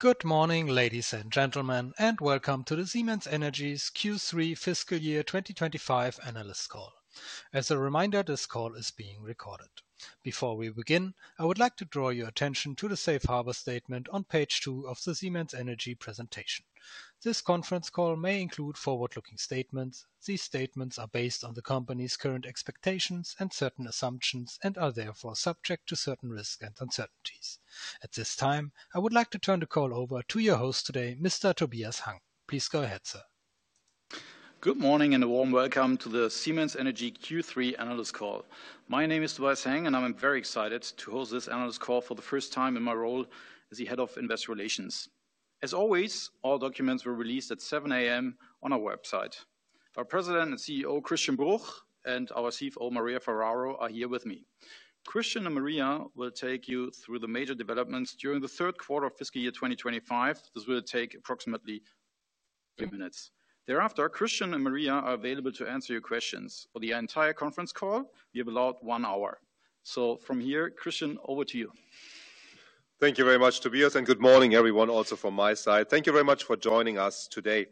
Good morning, ladies and gentlemen, and welcome to the Siemens Energy Q3 fiscal year 2025 analyst call. As a reminder, this call is being recorded. Before we begin, I would like to draw your attention to the safe harbor statement on page two of the Siemens Energy presentation. This conference call may include forward-looking statements. These statements are based on the company's current expectations and certain assumptions are therefore subject to certain risks and uncertainties. At this time, I would like to turn the call over to your host today, Mr. Tobias Hang. Please go ahead, sir. Good morning and a warm welcome to the Siemens Energy Q3 analyst call. My name is Tobias Hang and I am very excited to host this analyst call for the first time in my role as the Head of Investor Relations. As always, all documents were released at 7:00 A.M. on our website. Our President and CEO Christian Bruch and our CFO Maria Ferraro are here with me. Christian and Maria will take you through the major developments during the third quarter of fiscal year 2025. This will take approximately a few minutes. Thereafter, Christian and Maria are available to answer your questions. For the entire conference call we have allowed one hour. From here, Christian, over to you. Thank you very much, Tobias, and good morning, everyone. Also from my side, thank you very much for joining us today.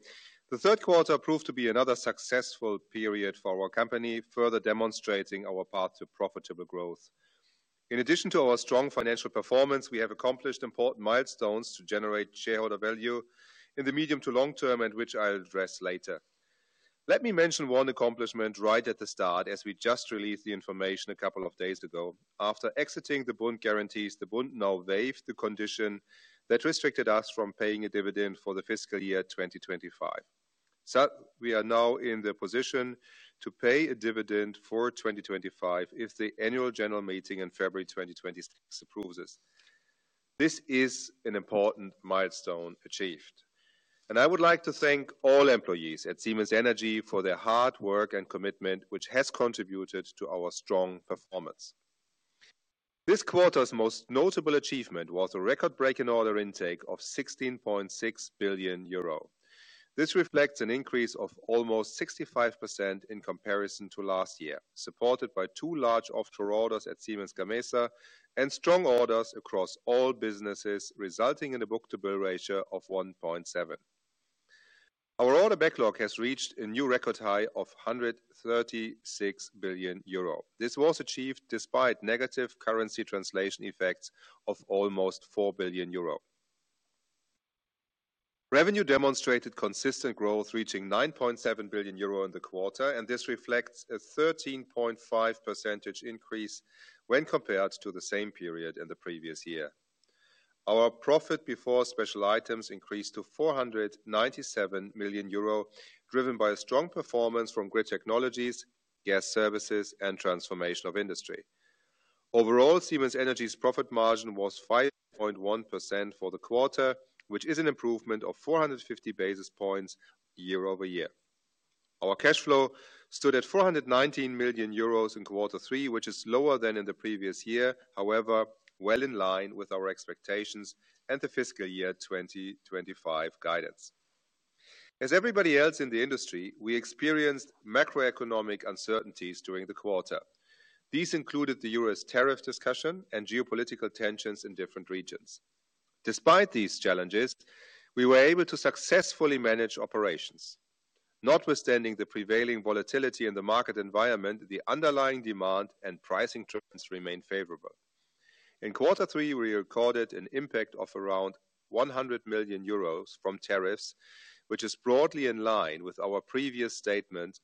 The third quarter proved to be another successful period for our company, further demonstrating our path to profitable growth. In addition to our strong financial performance, we have accomplished important milestones to generate shareholder value in the medium to long term, which I'll address later. Let me mention one accomplishment right at the start, as we just released the information a couple of days ago. After exiting the Bund guarantees, the Bund now waived the condition that restricted us from paying a dividend for the fiscal year 2025. We are now in the position to pay a dividend for 2025 if the annual general meeting in February 2025 approves. This is an important milestone achieved, and I would like to thank all employees at Siemens Energy for their hard work and commitment, which has contributed to our strong performance. This quarter's most notable achievement was a record-breaking order intake of 16.6 billion euro. This reflects an increase of almost 65% in comparison to last year, supported by two large offshore orders at Siemens Gamesa and strong orders across all businesses, resulting in a book-to-bill ratio of 1.7x. Our order backlog has reached a new record high of 136 billion euro. This was achieved despite negative currency translation effects of almost 4 billion euro. Revenue demonstrated consistent growth, reaching 9.7 billion euro in the quarter, and this reflects a 13.5% increase when compared to the same period in the previous year. Our profit before special items increased to 497 million euro, driven by a strong performance from grid technologies, gas services, and transformation of industry. Overall, Siemens Energy's profit margin was 5.1% for the quarter, which is an improvement of 450 basis points year-over-year. Our cash flow stood at 419 million euros in quarter three, which is lower than in the previous year, however, well in line with our expectations and the fiscal year 2025 guidance. As everybody else in the industry, we experienced macroeconomic uncertainties during the quarter. These included the U.S. tariff discussion and geopolitical tensions in different regions. Despite these challenges, we were able to successfully manage operations notwithstanding the prevailing volatility in the market environment. The underlying demand and pricing trends remained favorable. In quarter three we recorded an impact of around 100 million euros from tariffs, which is broadly in line with our previous statement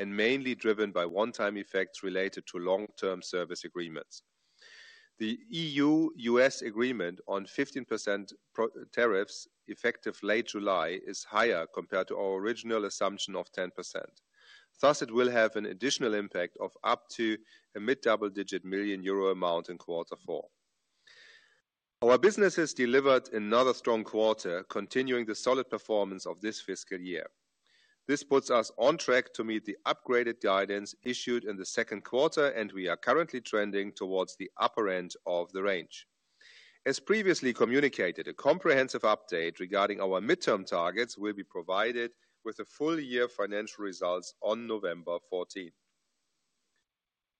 and mainly driven by one-time effects related to long-term service agreements. The E.U.-U.S. agreement on 15% tariffs effective late July is higher compared to our original assumption of 10%. Thus, it will have an additional impact of up to a mid double-digit million euro amount. In quarter four, our businesses delivered another strong quarter, continuing the solid performance of this fiscal year. This puts us on track to meet the upgraded guidance issued in the second quarter, and we are currently trending towards the upper end of the range. As previously communicated, a comprehensive update regarding our mid-term targets will be provided with the full-year financial results on November 14th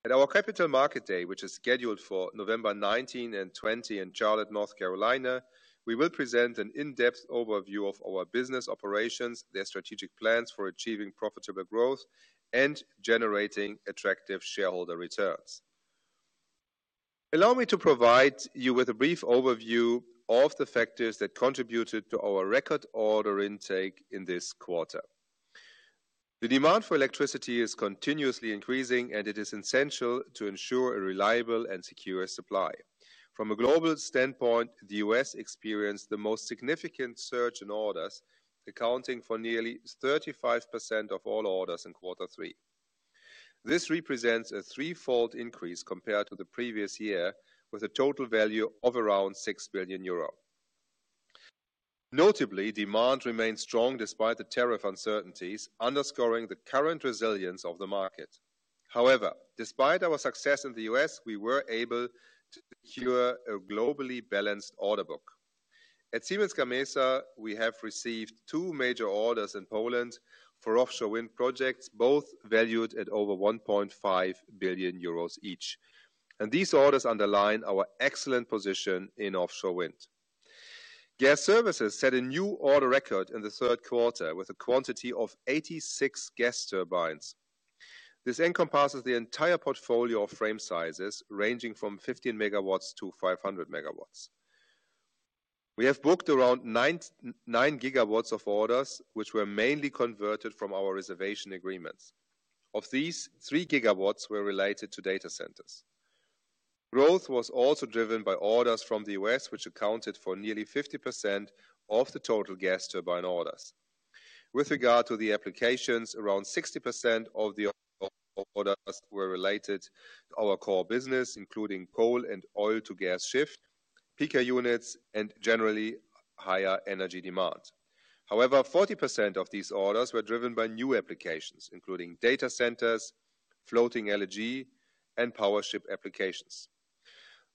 at our Capital Market Day, which is scheduled for November 19 and 20 in Charlotte, North Carolina. We will present an in-depth overview of our business operations, their strategic plans for achieving profitable growth, and generating attractive shareholder returns. Allow me to provide you with a brief overview of the factors that contributed to our record order intake in this quarter. The demand for electricity is continuously increasing, and it is essential to ensure a reliable and secure supply. From a global standpoint, the U.S. experienced the most significant surge in orders, accounting for nearly 35% of all orders in quarter three. This represents a threefold increase compared to the previous year, with a total value of around 6 billion euro. Notably, demand remains strong despite the tariff uncertainties, underscoring the current resilience of the market. However, despite our success in the U.S., we were able to secure a globally balanced order book at Siemens Gamesa. We have received two major orders in Poland for offshore wind projects, both valued at over 1.5 billion euros each, and these orders underline our excellent position in offshore wind. Gas services set a new order record in the third quarter with a quantity of 86 gas turbines. This encompasses the entire portfolio of frame sizes, ranging from 15 MW-500 MW. We have booked around 9 GW of orders, which were mainly converted from our reservation agreements. Of these, 3 GW were related to data centers. Growth was also driven by orders from the U.S., which accounted for nearly 50% of the total gas turbine orders. With regard to the applications, around 60% of the orders were related to our core business including coal and oil to gas shift pica units and generally higher energy demand. However, 40% of these orders were driven by new applications including data centers, floating LNG, and power ship applications.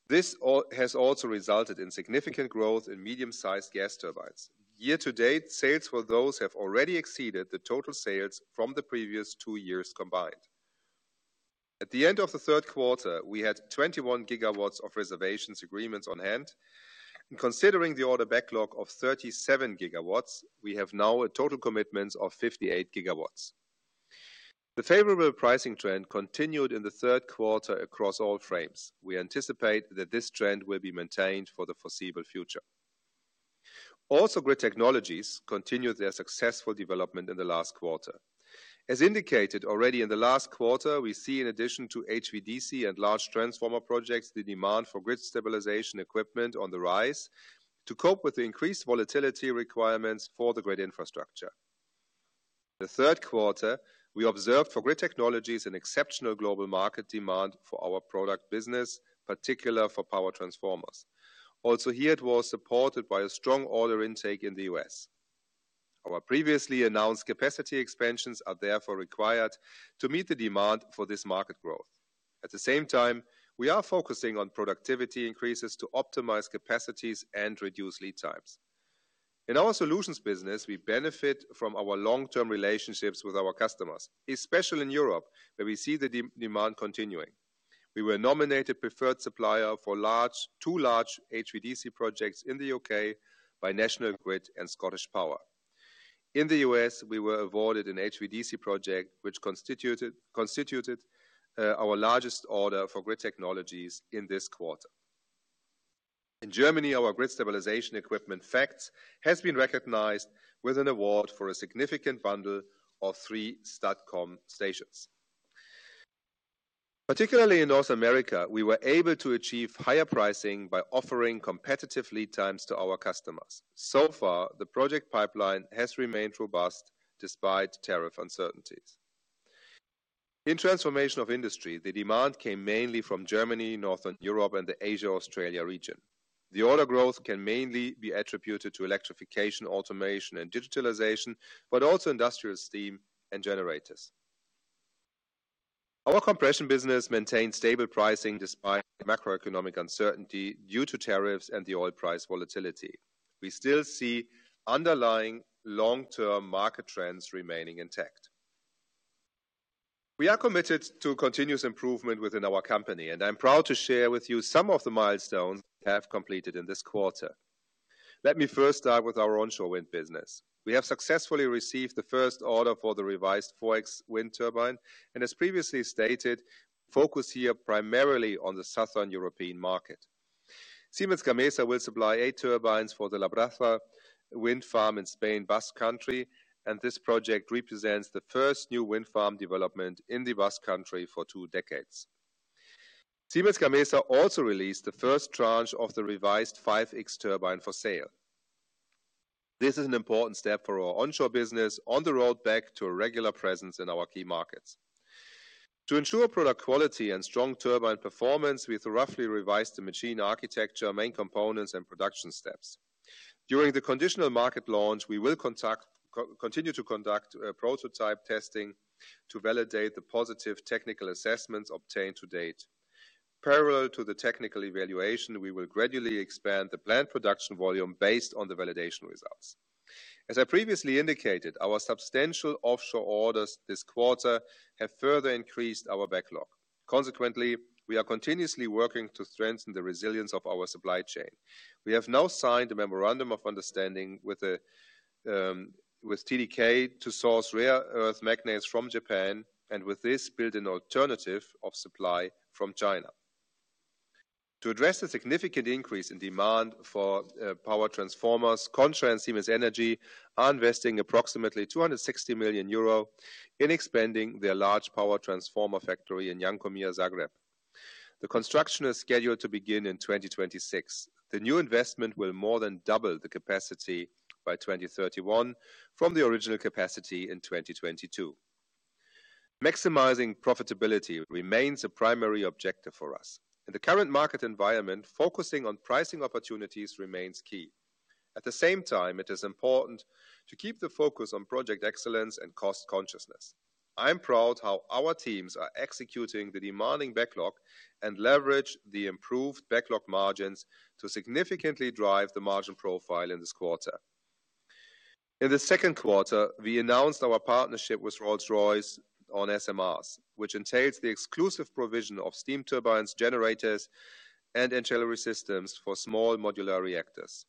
This has also resulted in significant growth in medium sized gas turbines. Year to date, sales for those have already exceeded the total sales from the previous two years combined. At the end of the third quarter, we had 21 GW of reservations agreements on hand. Considering the order backlog of 37 GW, we have now a total commitment of 58 GW. The favorable pricing trend continued in the third quarter across all frames. We anticipate that this trend will be maintained for the foreseeable future. Also, grid technologies continued their successful development in the last quarter. As indicated already in the last quarter, we see in addition to HVDC and large transformer projects, the demand for grid stock stabilization equipment on the rise to cope with the increased volatility requirements for the grid infrastructure. The third quarter, we observed for grid technologies an exceptional global market demand for our product business, particularly for power transformers. Also here, it was supported by a strong order intake in the U.S. Our previously announced capacity expansions are therefore required to meet the demand for this market growth. At the same time, we are focusing on productivity increases to optimize capacities and reduce lead times in our solutions business. We benefit from our long term relationships with our customers, especially in Europe where we see the demand continuing. We were nominated preferred supplier for two large HVDC projects in the U.K. by National Grid and Scottish Power. In the U.S., we were awarded an HVDC project which constituted our largest order for grid technologies in this quarter. In Germany, our grid stabilization equipment FACTS has been recognized with an award for a significant bundle of three STATCOM stations. Particularly in North America, we were able to achieve higher pricing by offering competitive lead times to our customers. The project pipeline has remained robust despite tariff uncertainties in transformation of industry. The demand came mainly from Germany, Northern Europe, and the Asia Australia region. The order growth can mainly be attributed to electrification, automation, and digitalization, but also industrial steam and generators. Our compression business maintained stable pricing despite macroeconomic uncertainty due to tariffs and the oil price volatility. We still see underlying long-term market trends remaining intact. We are committed to continuous improvement within our company, and I'm proud to share with you some of the milestones we have completed in this quarter. Let me first start with our onshore wind business. We have successfully received the first order for the revised 4.X wind turbine, and as previously stated, focus here primarily on the southern European market. Siemens Gamesa will supply eight turbines for the Labraza wind farm in Spain, Basque Country, and this project represents the first new wind farm development in the Basque Country for two decades. Siemens Gamesa also released the first tranche of the revised 5.X turbine for sale. This is an important step for our onshore business on the road back to a regular presence in our key markets. To ensure product quality and strong turbine performance, we roughly revised the machine architecture, main components, and production steps during the conditional market launch. We will continue to conduct prototype testing to validate the positive technical assessments obtained to date. Parallel to the technical evaluation, we will gradually expand the plant production volume based on the validation results. As I previously indicated, our substantial offshore wind orders this quarter have further increased our backlog. Consequently, we are continuously working to strengthen the resilience of our supply chain. We have now signed a memorandum of understanding with TDK to source rare earth magnets from Japan, and with this, build an alternative of supply from China to address the significant increase in demand for power transformers. KONČAR and Siemens Energy are investing approximately 260 million euro in expanding their large power transformer factory in Jankomir, Zagreb. The construction is scheduled to begin in 2026. The new investment will more than double the capacity by 2031 from the original capacity in 2022. Maximizing profitability remains a primary objective for us in the current market environment. Focusing on pricing opportunities remains key. At the same time, it is important to keep the focus on project excellence and cost consciousness. I am proud how our teams are executing the demanding backlog and leverage the improved backlog margins to significantly drive the margin profile in this quarter. In the second quarter we announced our partnership with Rolls Royce on SMRs, which entails the exclusive provision of steam turbines, generators, and ancillary systems for small modular reactors.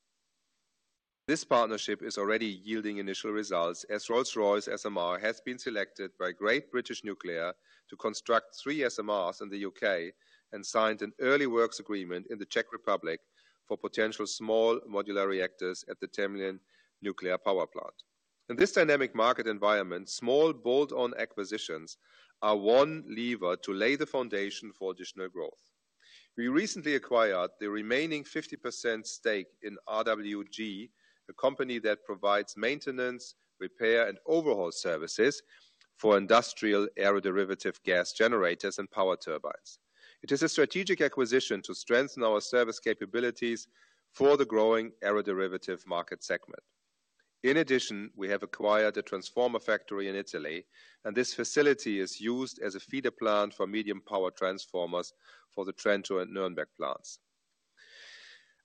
This partnership is already yielding initial results as Rolls Royce SMR has been selected by Great British Nuclear to construct three SMRs in the U.K. and signed an early works agreement in the Czech Republic for potential small modular reactors at the Temelín nuclear power plant. In this dynamic market environment, small bolt-on acquisitions are one lever to lay the foundation for additional growth. We recently acquired the remaining 50% stake in RWG, a company that provides maintenance, repair, and overhaul services for industrial aero-derivative gas generators and power turbines. It is a strategic acquisition to strengthen our service capabilities for the growing aero-derivative market segment. In addition, we have acquired a transformer factory in Italy and this facility is used as a feeder plant for medium power transformers for the Trento and Nuremberg plants.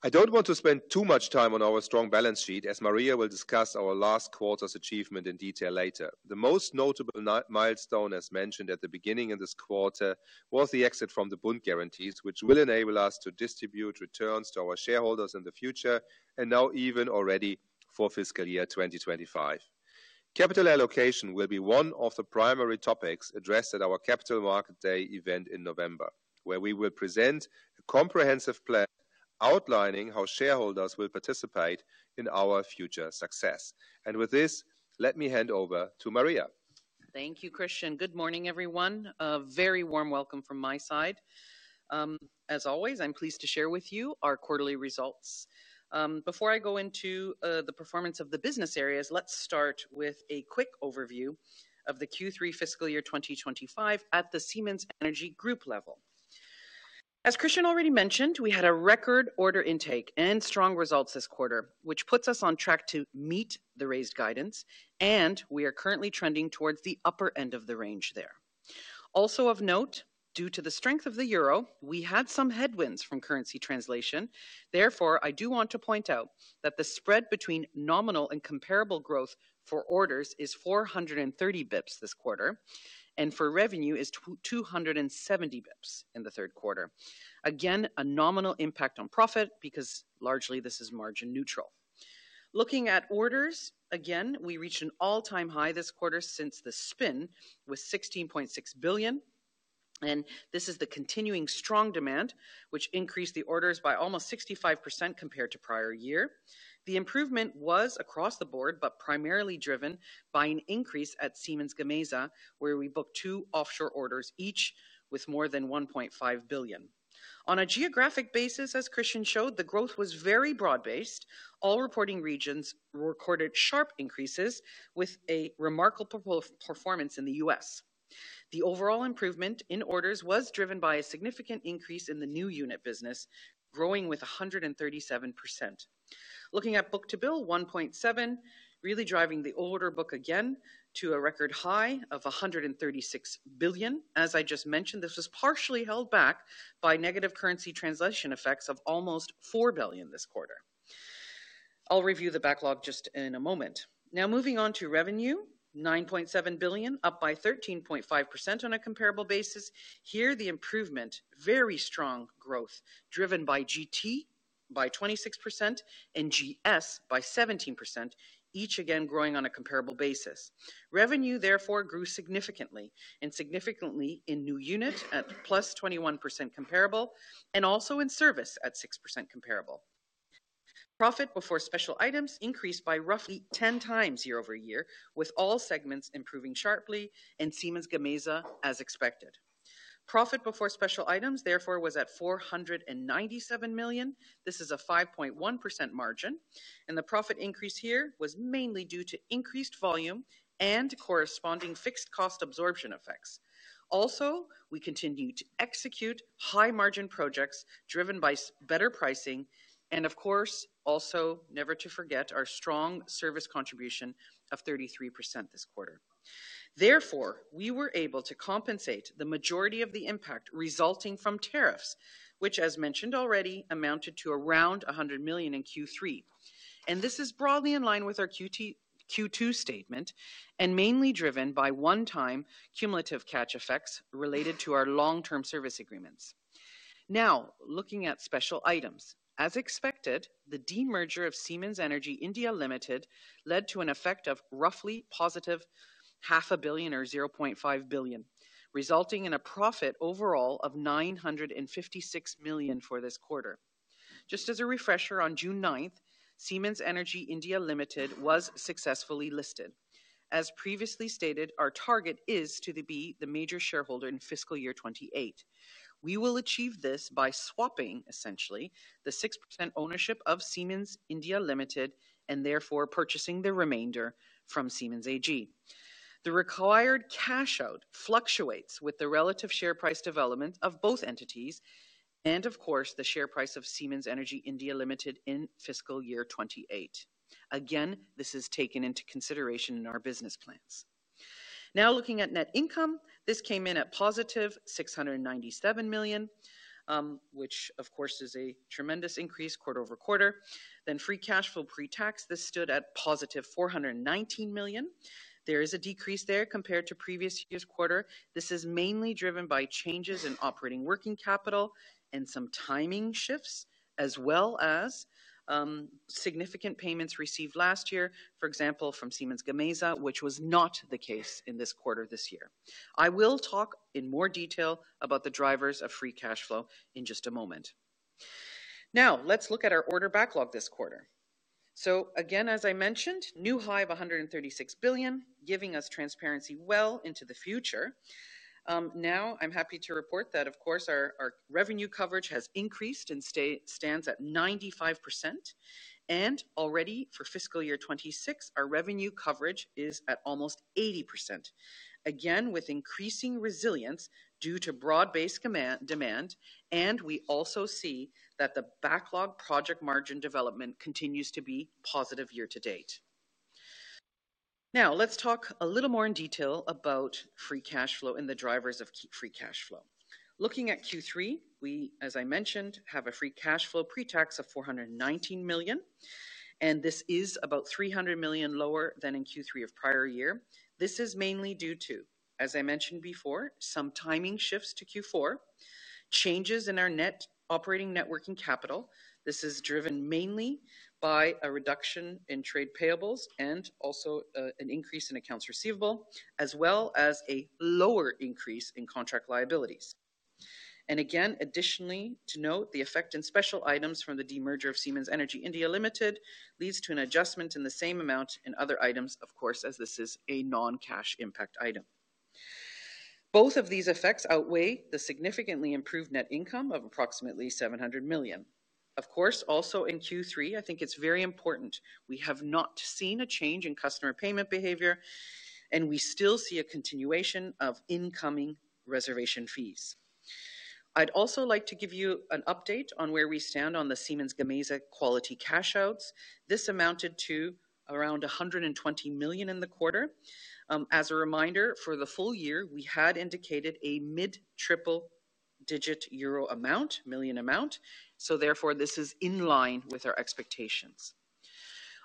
I don't want to spend too much time on our strong balance sheet as Maria will discuss our last quarter's achievement in detail later. The most notable milestone as mentioned at the beginning of this quarter was the exit from the Bund guarantees, which will enable us to distribute returns to our shareholders in the future and now even already for fiscal year 2025. Capital allocation will be one of the primary topics addressed at our Capital Market Day event in November, where we will present a comprehensive plan outlining how shareholders will participate in our future success. With this, let me hand over to Maria. Thank you, Christian. Good morning, everyone, a very warm welcome from my side. As always, I'm pleased to share with you our quarterly results. Before I go into the performance of the business areas, let's start with a quick overview of the Q3 fiscal year 2025 at the Siemens Energy Group level. As Christian already mentioned, we had a record order intake and strong results this quarter, which puts us on track to meet the raised guidance, and we are currently trending towards the upper end of the range there. Also of note, due to the strength of the euro, we had some headwinds from currency translation. Therefore, I do want to point out that the spread between nominal and comparable growth for orders is 430 bps this quarter and for revenue is 270 bps in the third quarter. Again, a nominal impact on profit because largely this is margin neutral. Looking at orders again, we reached an all-time high this quarter since the spin with 16.6 billion, and this is the continuing strong demand which increased the orders by almost 65% compared to prior year. The improvement was across the board but primarily driven by an increase at Siemens Gamesa, where we booked two offshore orders each with more than 1.5 billion on a geographic basis. As Christian showed, the growth was very broad based. All reporting regions recorded sharp increases with a remarkable performance. In the U.S., the overall improvement in orders was driven by a significant increase in the new unit business, growing with 137%. Looking at book to bill, 1.7x, really driving the order book again to a record high of 136 billion. As I just mentioned, this was partially held back by negative currency translation effects of almost 4 billion this quarter. I'll review the backlog just in a moment. Now, moving on to revenue, 9.7 billion, up by 13.5% on a comparable basis. Here, the improvement, very strong growth driven by GT by 26% and GS by 17% each, again growing on a comparable basis. Revenue therefore grew significantly and significantly in new unit at +21% comparable and also in service at 6% comparable. Profit before special items increased by roughly 10x year-over-year with all segments improving sharply and Siemens Gamesa as expected. Profit before special items therefore was at 497 million. This is a 5.1% margin, and the profit increase here was mainly due to increased volume and corresponding fixed cost absorption effects. Also, we continue to execute high margin projects driven by better pricing and, of course, also never to forget our strong service contribution of 33% this quarter. Therefore, we were able to compensate the majority of the impact resulting from tariffs, which, as mentioned already, amounted to around 100 million in Q3. This is broadly in line with our Q2 statement and mainly driven by one-time cumulative catch effects related to our long-term service agreements. Now, looking at special items, as expected, the demerger of Siemens Energy India Limited led to an effect of roughly positive half a billion or +0.5 billion, resulting in a profit overall of 956 million for this quarter. Just as a refresher, on June 9th, Siemens Energy India Limited was successfully listed. As previously stated, our target is to be the major shareholder in fiscal year 2028. We will achieve this by swapping essentially the 6% ownership of Siemens India Limited and therefore purchasing the remainder from Siemens AG. The required cash out fluctuates with the relative share price development of both entities and, of course, the share price of Siemens Energy India Limited in fiscal year 2028. Again, this is taken into consideration in our business plans. Now, looking at net income, this came in at +697 million, which, of course, is a tremendous increase quarter-over-quarter. Free cash flow pre-tax stood at +419 million. There is a decrease there compared to previous year's quarter. This is mainly driven by changes in operating working capital and some timing shifts, as well as significant payments received last year, for example from Siemens Gamesa, which was not the case in this quarter this year. I will talk in more detail about the drivers of free cash flow in just a moment. Now, let's look at our order backlog this quarter. As I mentioned, new high of 36 billion, giving us transparency well into the future. I'm happy to report that our revenue coverage has increased and stands at 95%. Already for fiscal year 2026, our revenue coverage is at almost 80%, again with increasing resilience due to broad-based demand. We also see that the backlog project margin development continues to be positive year to date. Let's talk a little more in detail about free cash flow and the drivers of free cash flow. Looking at Q3, as I mentioned, we have a free cash flow pre-tax of 419 million, and this is about 300 million lower than in Q3 of prior year. This is mainly due to, as I mentioned before, some timing shifts to Q4 changes in our net operating net working capital. This is driven mainly by a reduction in trade payables and also an increase in accounts receivable as well as a lower increase in contract liabilities. Again, additionally to note, the effect in special items from the demerger of Siemens Energy India Limited leads to an adjustment in the same amount in other items. Of course, as this is a non-cash impact item, both of these effects outweigh the significantly improved net income of approximately 700 million. Of course, also in Q3, I think it's very important we have not seen a change in customer payment behavior and we still see a continuation of incoming reservation fees. I'd also like to give you an update on where we stand on the Siemens Gamesa quality cash outs. This amounted to around 120 million in the quarter. As a reminder, for the full year we had indicated a mid triple-digit euro million amount. Therefore, this is in line with our expectations.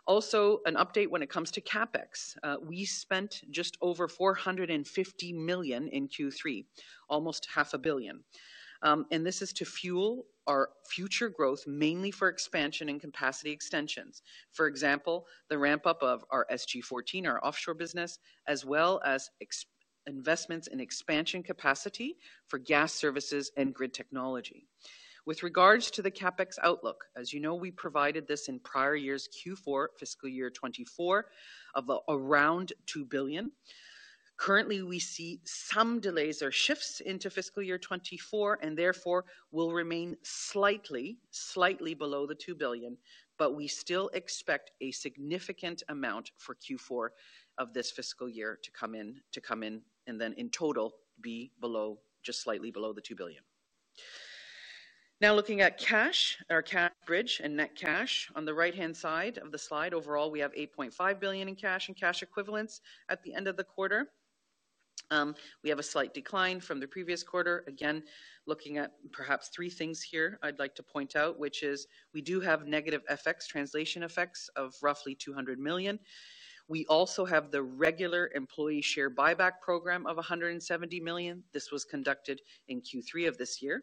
Also, an update when it comes to CapEx, we spent just over 450 million in Q3, almost 0.5 billion. This is to fuel our future growth mainly for expansion and capacity extensions. For example, the ramp up of our SG 14, our offshore business, as well as investments in expansion capacity for gas services and grid technology. With regards to the CapEx outlook, as you know, we provided this in prior year's Q4 fiscal year 2024 of around 2 billion. Currently, we see some delays or shifts into fiscal year 2024 and therefore will remain slightly below the 2 billion. We still expect a significant amount for Q4 of this fiscal year to come in and then in total be just slightly below the 2 billion. Now, looking at cash or cash bridge and net cash on the right-hand side of the slide, overall we have 8.5 billion in cash and cash equivalents at the end of the quarter. We have a slight decline from the previous quarter. Again, looking at perhaps three things here I'd like to point out, we do have negative translation effects of roughly 200 million. We also have the regular employee share buyback program of 170 million. This was conducted in Q3 of this year.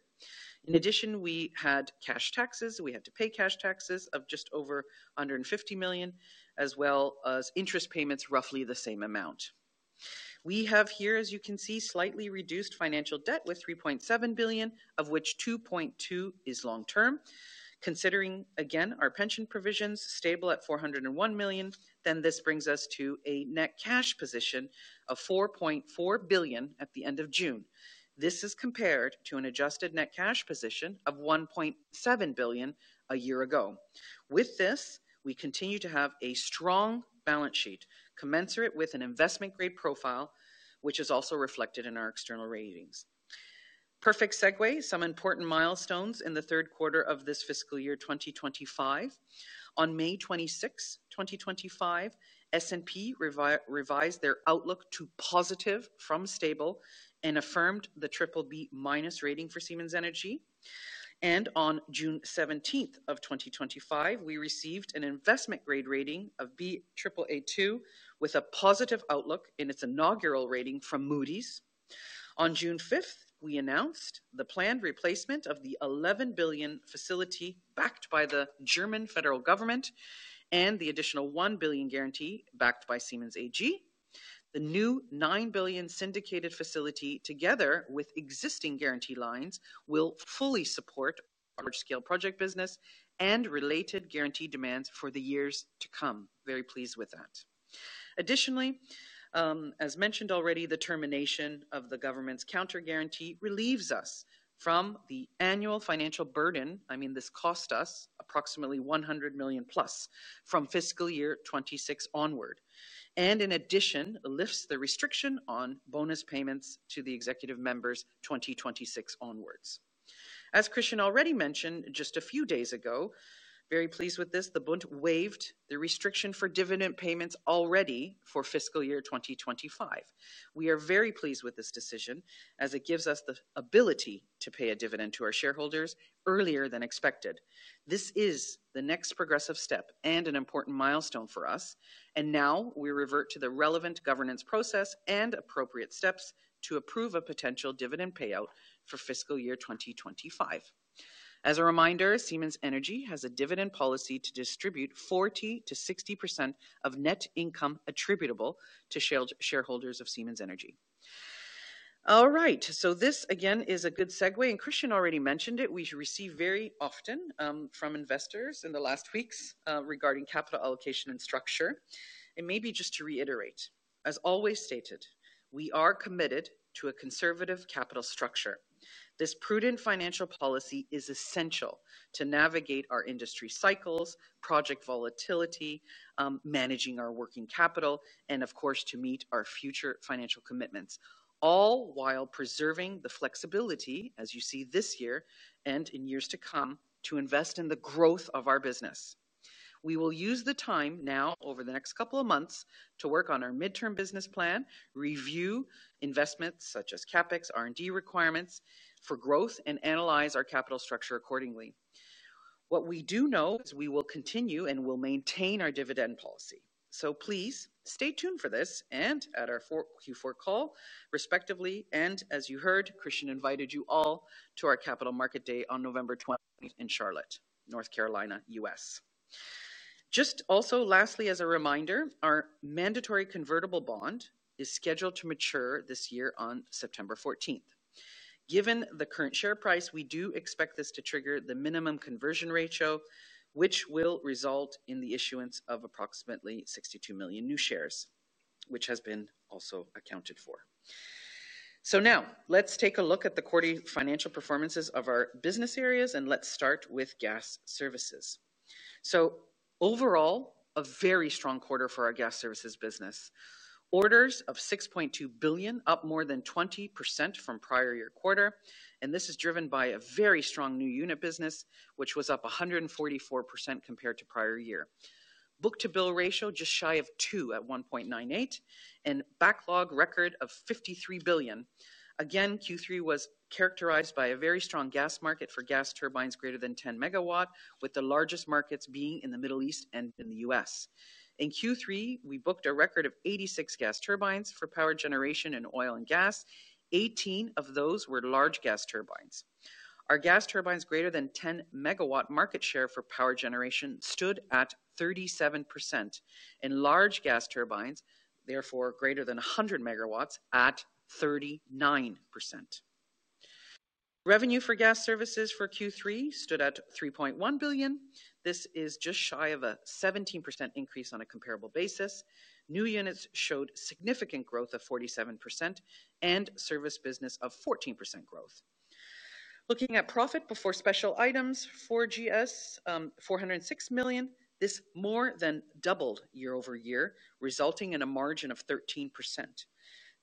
In addition, we had to pay cash taxes of just over 150 million as well as interest payments, roughly the same amount we have here. As you can see, slightly reduced financial debt with 3.7 billion, of which 2.2 billion is long term. Considering again our pension provisions stable at 401 million, this brings us to a net cash position of 4.4 billion at the end of June. This is compared to an adjusted net cash position of 1.7 billion a year ago. With this, we continue to have a strong balance sheet commensurate with an investment grade profile, which is also reflected in our external ratings. Perfect segue. Some important milestones in the third quarter of this fiscal year 2025: on May 26, 2025, S&P revised their outlook to positive from stable and affirmed the BBB- rating for Siemens Energy. On June 17th, 2025, we received an investment grade rating of Baa2 with a positive outlook in its inaugural rating from Moody’s. On June 5th, we announced the planned replacement of the 11 billion facility backed by the German federal government and the additional 1 billion guarantee backed by Siemens AG. The new 9 billion syndicated facility together with existing guarantee lines will fully support large scale project business and related guarantee demands for the years to come. Very pleased with that. Additionally, as mentioned already, the termination of the government’s counter guarantee relieves us from the annual financial burden. I mean, this cost us approximately 100+ million from fiscal year 2026 onward and in addition lifts the restriction on bonus payments to the executive members 2026 onwards. As Christian already mentioned just a few days ago. Very pleased with this. The Bund waived the restriction for dividend payments already for fiscal year 2025. We are very pleased with this decision as it gives us the ability to pay a dividend to our shareholders earlier than expected. This is the next progressive step and an important milestone for us. Now we revert to the relevant governance process and appropriate steps to approve a potential dividend payout for fiscal year 2025. As a reminder, Siemens Energy has a dividend policy to distribute 40%-60% of net income attributable to shareholders of Siemens Energy. All right, this again is a good segue and Christian already mentioned it. We receive very often from investors in the last weeks regarding capital allocation and structure and maybe just to reiterate, as always stated, we are committed to a conservative capital structure. This prudent financial policy is essential to navigate our industry cycles, project volatility, managing our working capital, and of course to meet our future financial commitments, all while preserving the flexibility as you see this year and in years to come to invest in the growth of our business. We will use the time now over the next couple of months to work on our midterm business plan, review investments such as CapEx R&D requirements for growth, and analyze our capital structure accordingly. What we do know is we will continue and will maintain our dividend policy. Please stay tuned for this and at our Q4 call respectively. As you heard, Christian invited you all to our Capital Market Day on November 20th, 2024, in Charlotte, North Carolina, U.S. Just also lastly as a reminder, our mandatory convertible bond is scheduled to mature this year on September 14th. Given the current share price, we do expect this to trigger the minimum conversion ratio, which will result in the issuance of approximately 62 million new shares, which has been also accounted for. Now let's take a look at the quarterly financial performances of our business areas and let's start with gas services. Overall, a very strong quarter for our gas services business, orders of 6.2 billion, up more than 20% from prior year quarter. This is driven by a very strong new unit business, which was up 144% compared to prior year, book-to-bill ratio just shy of 2x at 1.98x, and backlog record of 53 billion. Q3 was characterized by a very strong gas market for gas turbines greater than 10 MW, with the largest markets being in the Middle East and in the U.S. In Q3, we booked a record of 86 gas turbines for power generation in oil and gas. 18 of those were large gas turbines. Our gas turbines greater than 10 MW market share for power generation stood at 37%, in large gas turbines therefore greater than 100 MW at 39%. Revenue for gas services for Q3 stood at 3.1 billion. This is just shy of a 17% increase. On a comparable basis, new units showed significant growth of 47% and service business of 14% growth. Looking at profit before special items for gas services, 406 million. This more than doubled year-over-year, resulting in a margin of 13%.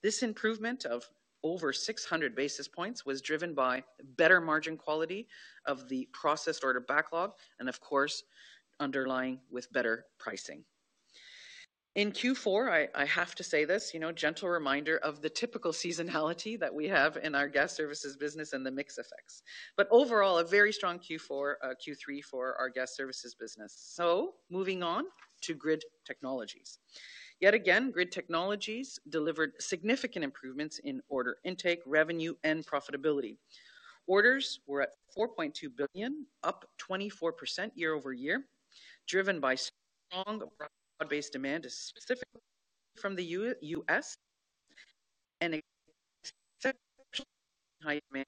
This improvement of over 600 basis points was driven by better margin quality of the processed order backlog and of course underlying with better pricing in Q4. I have to say this, you know, gentle reminder of the typical seasonality that we have in our gas services business and the mix effects, but overall a very strong Q3 for our gas services business. Moving on to grid technologies, yet again grid technologies delivered significant improvements in order intake, revenue, and profitability. Orders were at 4.2 billion, up 24% year-over-year, driven by strong broad-based demand, specifically from the U.S. and high demand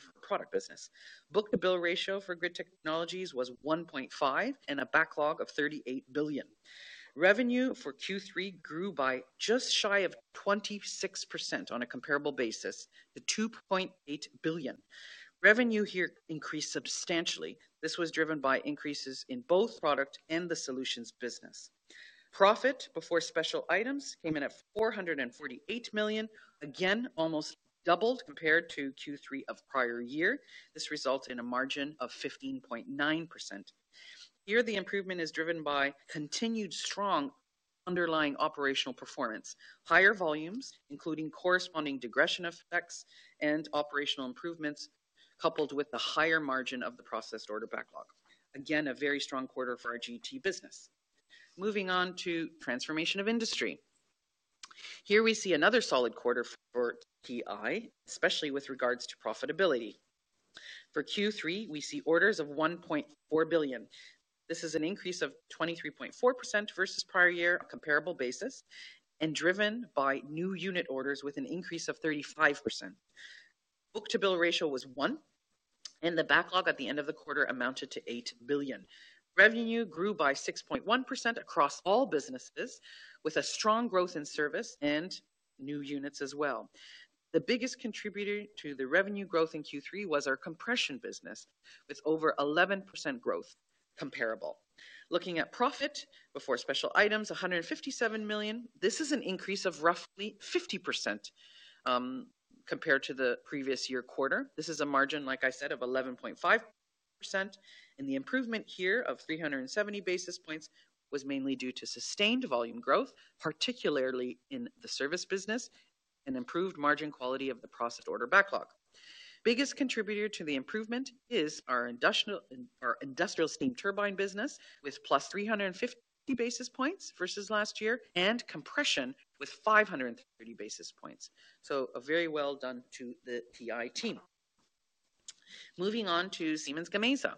for the product business. Book-to-bill ratio for grid technologies was 1.5x and a backlog of 38 billion. Revenue for Q3 grew by just shy of 26% on a comparable basis to 2.8 billion. Revenue here increased substantially. This was driven by increases in both product and the solutions business. Profit before special items came in at 448 million, again almost doubled compared to Q3 of prior year. This results in a margin of 15%. Here, the improvement is driven by continued strong underlying operational performance, higher volumes including corresponding digression effects, and operational improvements coupled with the higher margin of the processed order backlog. Again, a very strong quarter for our GT business. Moving on to transformation of industry, here we see another solid quarter for TI, especially with regards to profitability. For Q3, we see orders of 1.4 billion. This is an increase of 23.4% versus prior year comparable basis and driven by new unit orders with an increase of 35%. Book-to-bill ratio was 1x and the backlog at the end of the quarter amounted to 8 billion. Revenue grew by 6.1% across all businesses with strong growth in service and new units as well. The biggest contributor to the revenue growth in Q3 was our compression business with over 11% growth comparable. Looking at profit before special items, 157 million. This is an increase of roughly 50% compared to the previous year quarter. This is a margin, like I said, of 11.5% and the improvement here of 370 basis points was mainly due to sustained volume growth, particularly in the service business, and improved margin quality of the process order backlog. Biggest contributor to the improvement is our industrial steam turbine business with +350 basis points versus last year and compression with 530 basis points. A very well done to the TI team. Moving on to Siemens Gamesa.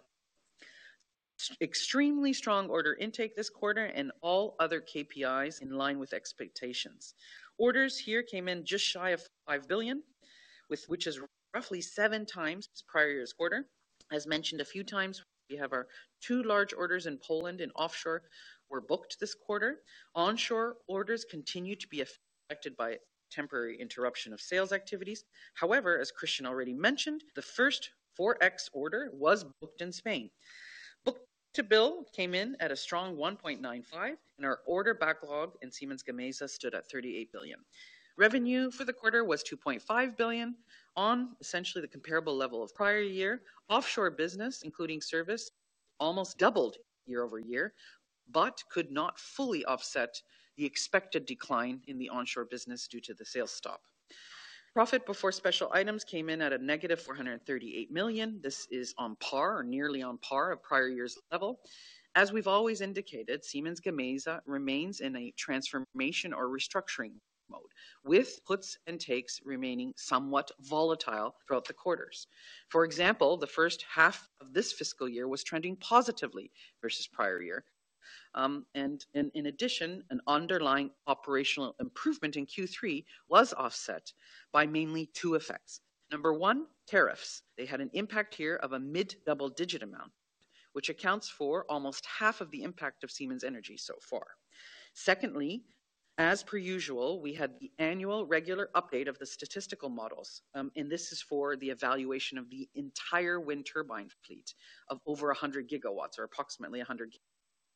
Extremely strong order intake this quarter and all other KPIs in line with expectations, orders here came in just shy of 5 billion which is roughly 7x prior year's order. As mentioned a few times we have our two large orders in Poland and offshore were booked this quarter. Onshore orders continue to be affected by temporary interruption of sales activities. However, as Christian already mentioned, the first 4.X order was booked in Spain. Book to bill came in at a strong 1.95x and our order backlog in Siemens Gamesa stood at 38 billion. Revenue for the quarter was 2.5 billion on essentially the comparable level of prior year. Offshore business including service almost doubled year-over-year but could not fully offset the expected decline in the onshore business due to the sales stop. Profit before special items came in at a -438 million. This is nearly on par with prior year's level. As we've always indicated, Siemens Gamesa remains in a transformation or restructuring mode with puts and takes remaining somewhat volatile throughout the quarters. For example, the first half of this fiscal year was trending positively versus prior year and in addition an underlying operational improvement in Q3 was offset by mainly two effects. Number one, tariffs. They had an impact here of a mid double digit amount which accounts for almost half of the impact of Siemens Energy so far. Secondly, as per usual, we had the annual regular update of the statistical models and this is for the evaluation of the entire wind turbine fleet of over 100 GW or approximately 100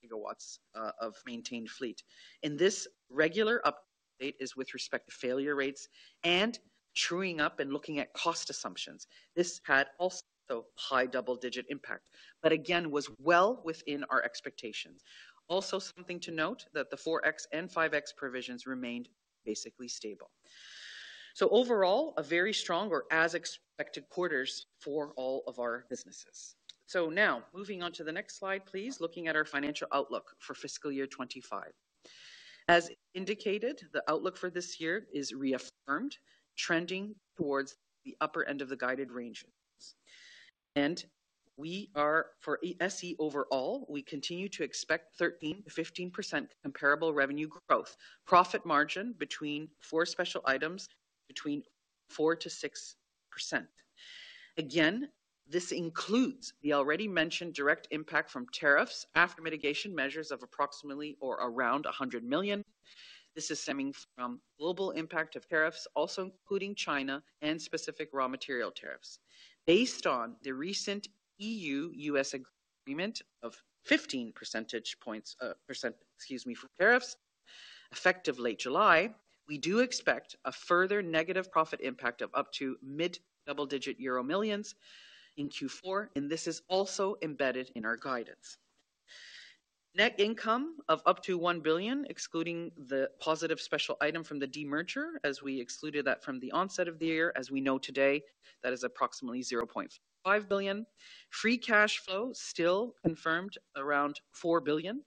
GW of maintained fleet. In this regular update, it is with respect to failure rates and truing up and looking at cost assumptions. This had also high double digit impact but again was well within our expectations. Also something to note that the 4.X and 5.X provisions remained basically stable, so overall a very strong or as expected quarters for all of our businesses. Now moving on to the next slide please, looking at our financial outlook for fiscal year 2025, as indicated the outlook for this year is reaffirmed, trending towards the upper end of the guided range and we are for Siemens Energy. Overall we continue to expect 13%-15% comparable revenue growth, profit margin between 4%-6%. Again, this includes the already mentioned direct impact from tariffs after mitigation measures of approximately or around 100 million. This is stemming from global impact of tariffs, also including China and specific raw material tariffs based on the recent E.U.-U.S. agreement of 15%. Excuse me, for tariffs effective late July, we do expect a further negative profit impact of up to mid double-digit euro millions in Q4, and this is also embedded in our guidance. Net income of up to 1 billion, excluding the positive special item from the demerger, as we excluded that from the onset of the year. As we know today, that is approximately 0.5 billion. Free cash flow still confirmed around 4 billion.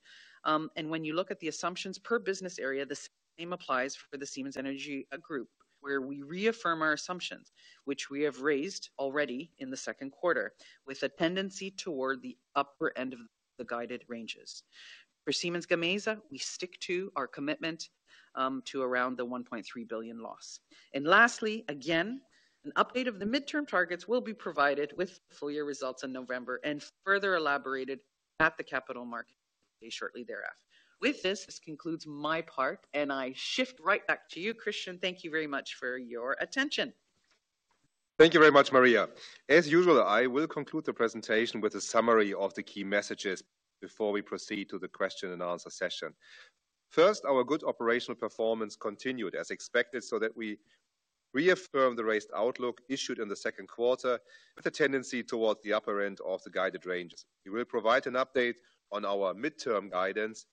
When you look at the assumptions per business area, the same applies for the Siemens Energy Group, where we reaffirm our assumptions which we have raised already in the second quarter, with a tendency toward the upper end of the guided ranges. For Siemens Gamesa, we stick to our commitment to around the 1.3 billion loss. Lastly, again, an update of the midterm targets will be provided with full year results in November and further elaborated at the Capital Market Day shortly thereafter. With this, this concludes my part and I shift right back to you. Christian, thank you very much for your attention. Thank you very much, Maria. As usual, I will conclude the presentation with a summary of the key messages before we proceed to the question and answer session. First, our good operational performance continued as expected, so that we reaffirm the raised outlook issued in the second quarter with a tendency toward the upper end of the guided ranges. We will provide an update on our midterm guidance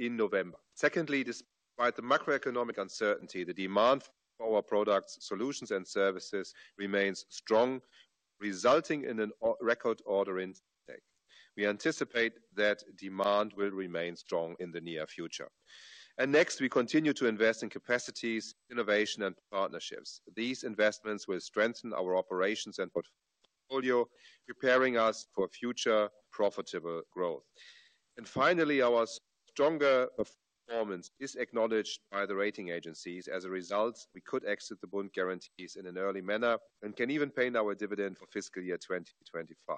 in November. Secondly, despite the macroeconomic uncertainty, the demand for our products, solutions, and services remains strong, resulting in a record order intake. We anticipate that demand will remain strong in the near future. Next, we continue to invest in capacities, innovation, and partnerships. These investments will strengthen our operations and portfolio, preparing us for future profitable growth. Finally, our stronger performance is acknowledged by the rating agencies. As a result, we could exit the Bund guarantees in an early manner and can even pay now a dividend for fiscal year 2025.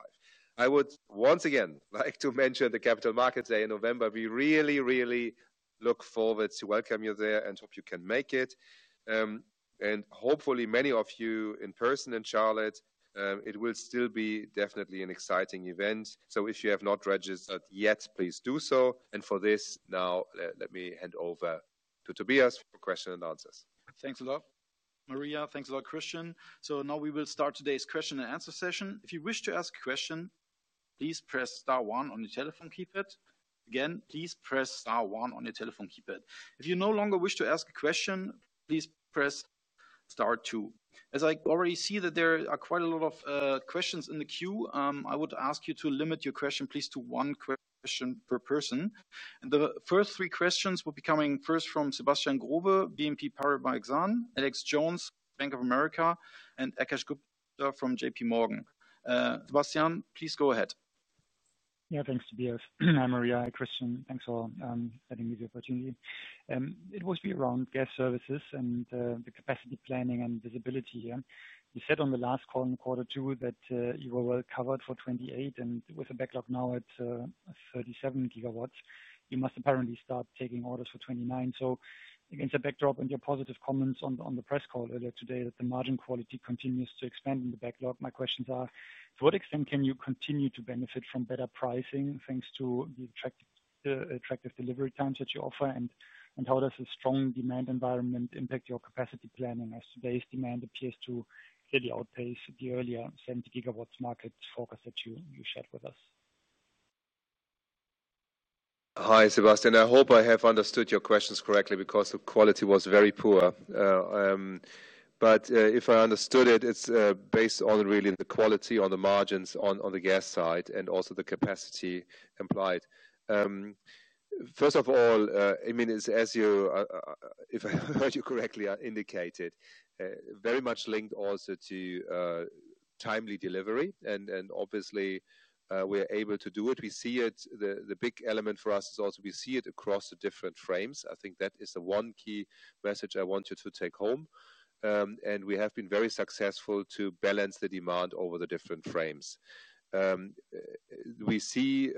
I would once again like to mention the Capital Market Day in November. We really, really look forward to welcome you there and hope you can make it, and hopefully many of you in person in Charlotte. It will definitely be an exciting event. If you have not registered yet, please do so. Now let me hand over to Tobias for questions and answers. Thanks a lot, Maria. Thanks a lot, Christian. Now we will start today's question and answer session. If you wish to ask a question, please press star one on the telephone keypad. Again, please press star one on your telephone keypad. If you no longer wish to ask a question, please press star two. As I already see that there are quite a lot of questions in the queue, I would ask you to limit your question to one question per person. The first three questions will be coming from Sebastian Growe, BNP Paribas Exane, Alex Jones, Bank of America, and Akash Gupta from JPMorgan. Sebastian, please go ahead. Yeah, thanks Tobias. I'm Maria. Hi Christian, thanks for sending me the opportunity. It was around gas services and the capacity planning and visibility. You said on the last call in quarter two that you were well covered for 2028 and with a backlog now at 37 GW you must apparently start taking orders for 2029. Against a backdrop and your positive comments on the press call earlier today that the margin quality continues to expand in the backlog, my questions are to what extent can you continue to benefit from better pricing thanks to the attractive delivery times that you offer? How does a strong demand environment impact your capacity planning as today's demand appears to really outpace the earlier 70 GW market focus that you shared with us? Hi Sebastian, I hope I have understood your questions correctly because the quality was very poor. If I understood it, it's based on really the quality on the margins on the gas side and also the capacity implied. First of all, I mean it's as you, if I heard you correctly, indicated, very much linked also to timely delivery. Obviously we are able to do it. We see it. The big element for us is also we see it across the different frames. I think that is the one key message I want you to take home. We have been very successful to balance the demand over the different frames. We see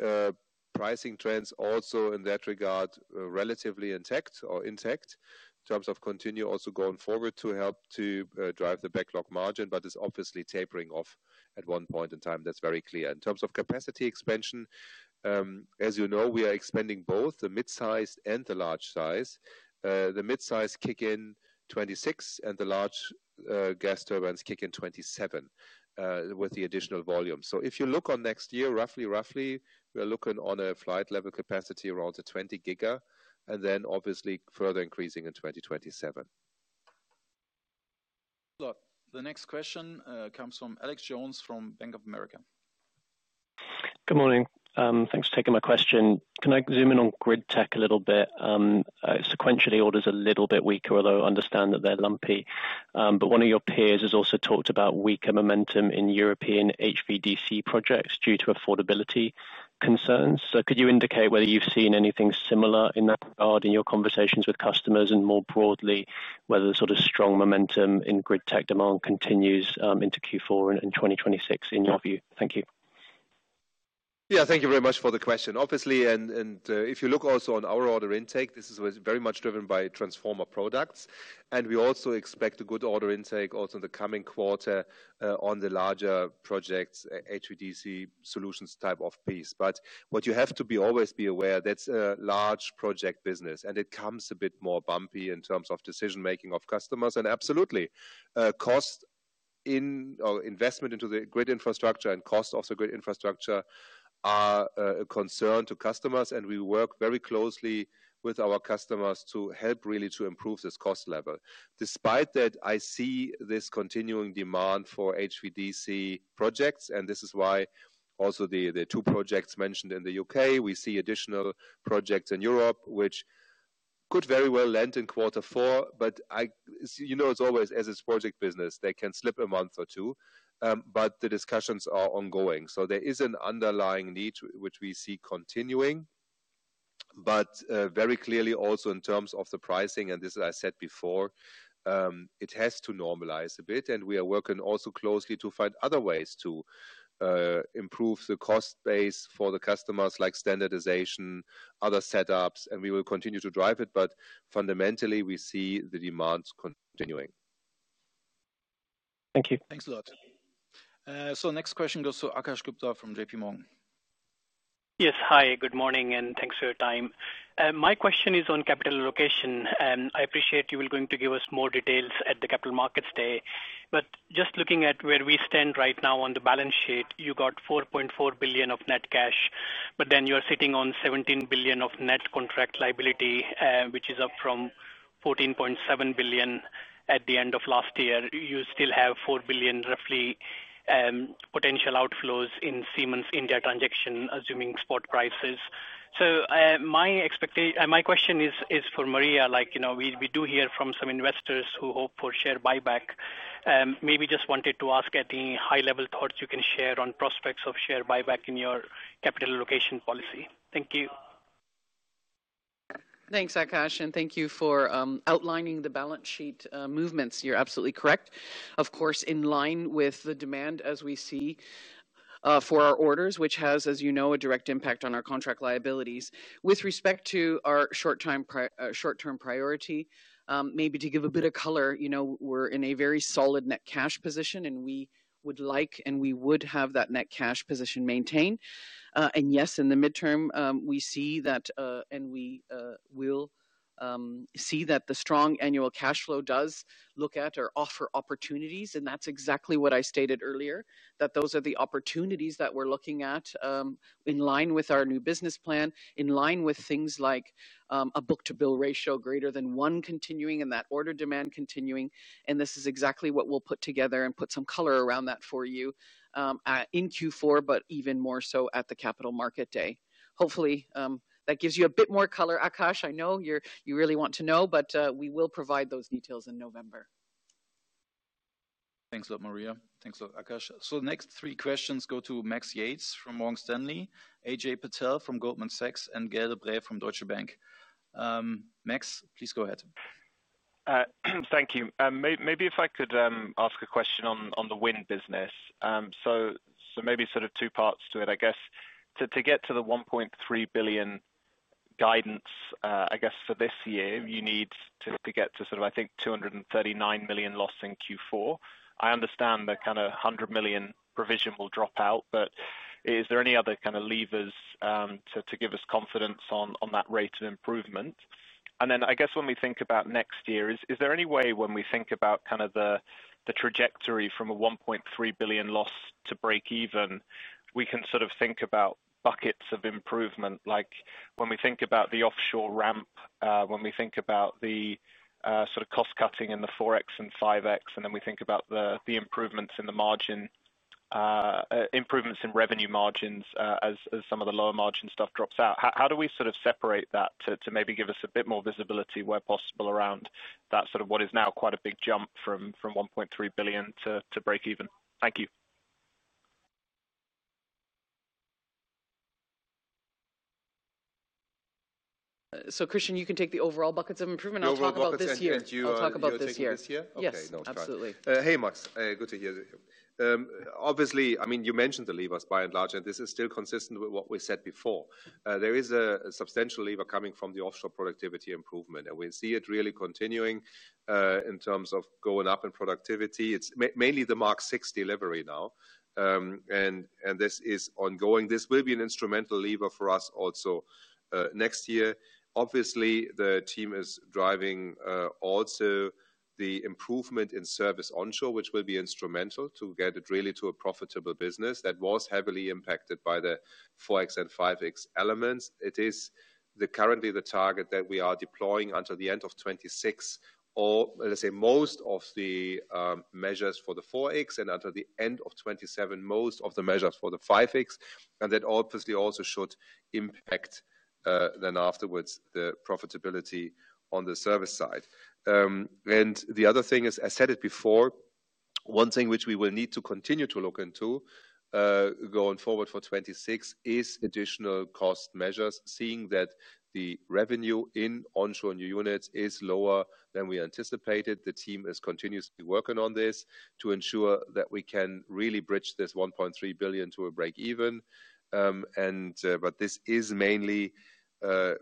pricing trends also in that regard relatively intact or intact in terms of continue also going forward to help to drive the backlog margin. It's obviously tapering off at one point in time. That's very clear. In terms of capacity expansion, as you know, we are expanding both the mid sized and the large size. The mid sized kick in 2026 and the large gas turbines kick in 2027 with the additional volume. If you look on next year, roughly we are looking on a flight level capacity around 20 GW and then obviously further increasing in 2027. The next question comes from Alex Jones from Bank of America. Good morning. Thanks for taking my question. Can I zoom in on grid tech a little bit? Sequentially, orders are a little bit weaker, although I understand that they're lumpy. One of your peers has also talked about weaker momentum in European HVDC projects due to affordability concerns. Could you indicate whether you've seen anything similar in that regard in your conversations with customers, and more broadly, whether the sort of strong momentum in grid tech demand continues into Q4 and 2026 in your view? Thank you. Yeah, thank you very much for the question. Obviously, if you look also on our order intake, this is very much driven by transformer products, and we also expect a good order intake also in the coming quarter on the larger projects, HVDC solutions type of piece. What you have to always be aware of is that's a large project business, and it comes a bit more bumpy in terms of decision making of customers and absolutely cost in or investment into the grid infrastructure. Cost of the grid infrastructure are a concern to customers, and we work very closely with our customers to help really to improve this cost level. Despite that, I see this continuing demand for HVDC projects, and this is why also the two projects mentioned in the U.K., we see additional projects in Europe which could very well land in quarter four. You know, it's always as it's project business, they can slip a month or two. The discussions are ongoing. There is an underlying need which we see continuing, but very clearly also in terms of the pricing, and this as I said before, it has to normalize a bit. We are working also closely to find other ways to improve the cost base for the customers, like standardization, other setups, and we will continue to drive it, but fundamentally we see the demands continuing. Thank you. Thanks a lot. The next question goes to Akash Gupta from JPMorgan. Yes, hi, good morning and thanks for your time. My question is on capital allocation and I appreciate you are going to give us more details at the Capital Market Day. Just looking at where we stand right now on the balance sheet, you have 4.4 billion of net cash, but then you are sitting on 17 billion of net contract liability, which is up from 14.7 billion at the end of last year. You still have 4 billion roughly potential outflows in the Siemens India transaction, assuming spot prices. My expectation, my question is for Maria, like you know, we do hear from some investors who hope for share buyback, maybe just wanted to ask any high-level thoughts you can share on prospects of share buyback in your capital allocation policy. Thank you. Thanks, Akash. Thank you for outlining the balance sheet movements. You're absolutely correct, of course, in line with the demand as we see for our orders, which has, as you know, a direct impact on our contract liabilities with respect to our short-term priority. Maybe to give a bit of color, you know we're in a very solid net cash position, and we would like and we would have that net cash position maintained. Yes, in the midterm we see that, and we will see that the strong annual cash flow does look at or offer opportunities. That's exactly what I stated earlier, that those are the opportunities that we're looking at in line with our new business plan, in line with things like a book-to-bill ratio greater than one continuing and that order demand continuing. This is exactly what we'll put together and put some color around that for you in Q4, but even more so at the Capital Market Day. Hopefully that gives you a bit more color. Akash, I know you really want to know, but we will provide those details in November. Thanks a lot, Maria. Thanks a lot, Akash. The next three questions go to Max Yates from Morgan Stanley, Ajay Patel from Goldman Sachs, and Gael De Bray from Deutsche Bank. Max, please go ahead. Thank you. Maybe if I could ask a question on the wind business. Maybe sort of two parts to it. I guess to get to the 1.3 billion guidance, I guess for this year you need to get to sort of, I think, 239 million loss in Q4. I understand the kind of 100 million provision will drop out, but is there any other kind of levers to give us confidence on that rate of improvement? I guess when we think about next year, is there any way, when we think about kind of the trajectory from a 1.3 billion loss to break even, we can sort of think about buckets of improvement? Like when we think about the offshore ramp, when we think about the sort of cost cutting in the 4.X and 5.X, and then we think about the improvements in the margin, improvements in revenue margins as some of the lower margin stuff drops out. How do we sort of separate that to maybe give us a bit more visibility where possible around that? That's sort of what is now quite a big jump from 1.3 billion to break even. Thank you. Christian, you can take the overall buckets of improvement. I'll talk about this year. I'll talk about this year. You're taking this year? Okay. Yes, absolutely. Hey Max, good to hear. Obviously, I mean you mentioned the levers by and large and this is still consistent with what we said before. There is a substantial lever coming from the offshore productivity improvement and we see it really continuing in terms of going up in productivity. It's mainly the Mark VI delivery now and this is ongoing. This will be an instrumental lever for us also next year. Obviously the team is driving also the improvement in service onshore which will be instrumental to get it really to a profitable business that was heavily impacted by the 4.X and 5.X elements. It is currently the target that we are deploying until the end of 2026 or let's say most of the measures for the 4.X and until the end of 2027 most of the measures for the 5.X. That obviously also should impact then afterwards the profitability on the service side. The other thing is, I said it before, one thing which we will need to continue to look into going forward for 2026 is additional cost measures. Seeing that the revenue in onshore new units is lower than we anticipated, the team is continuously working on this to ensure that we can really bridge this 1.3 billion to a break even. This is mainly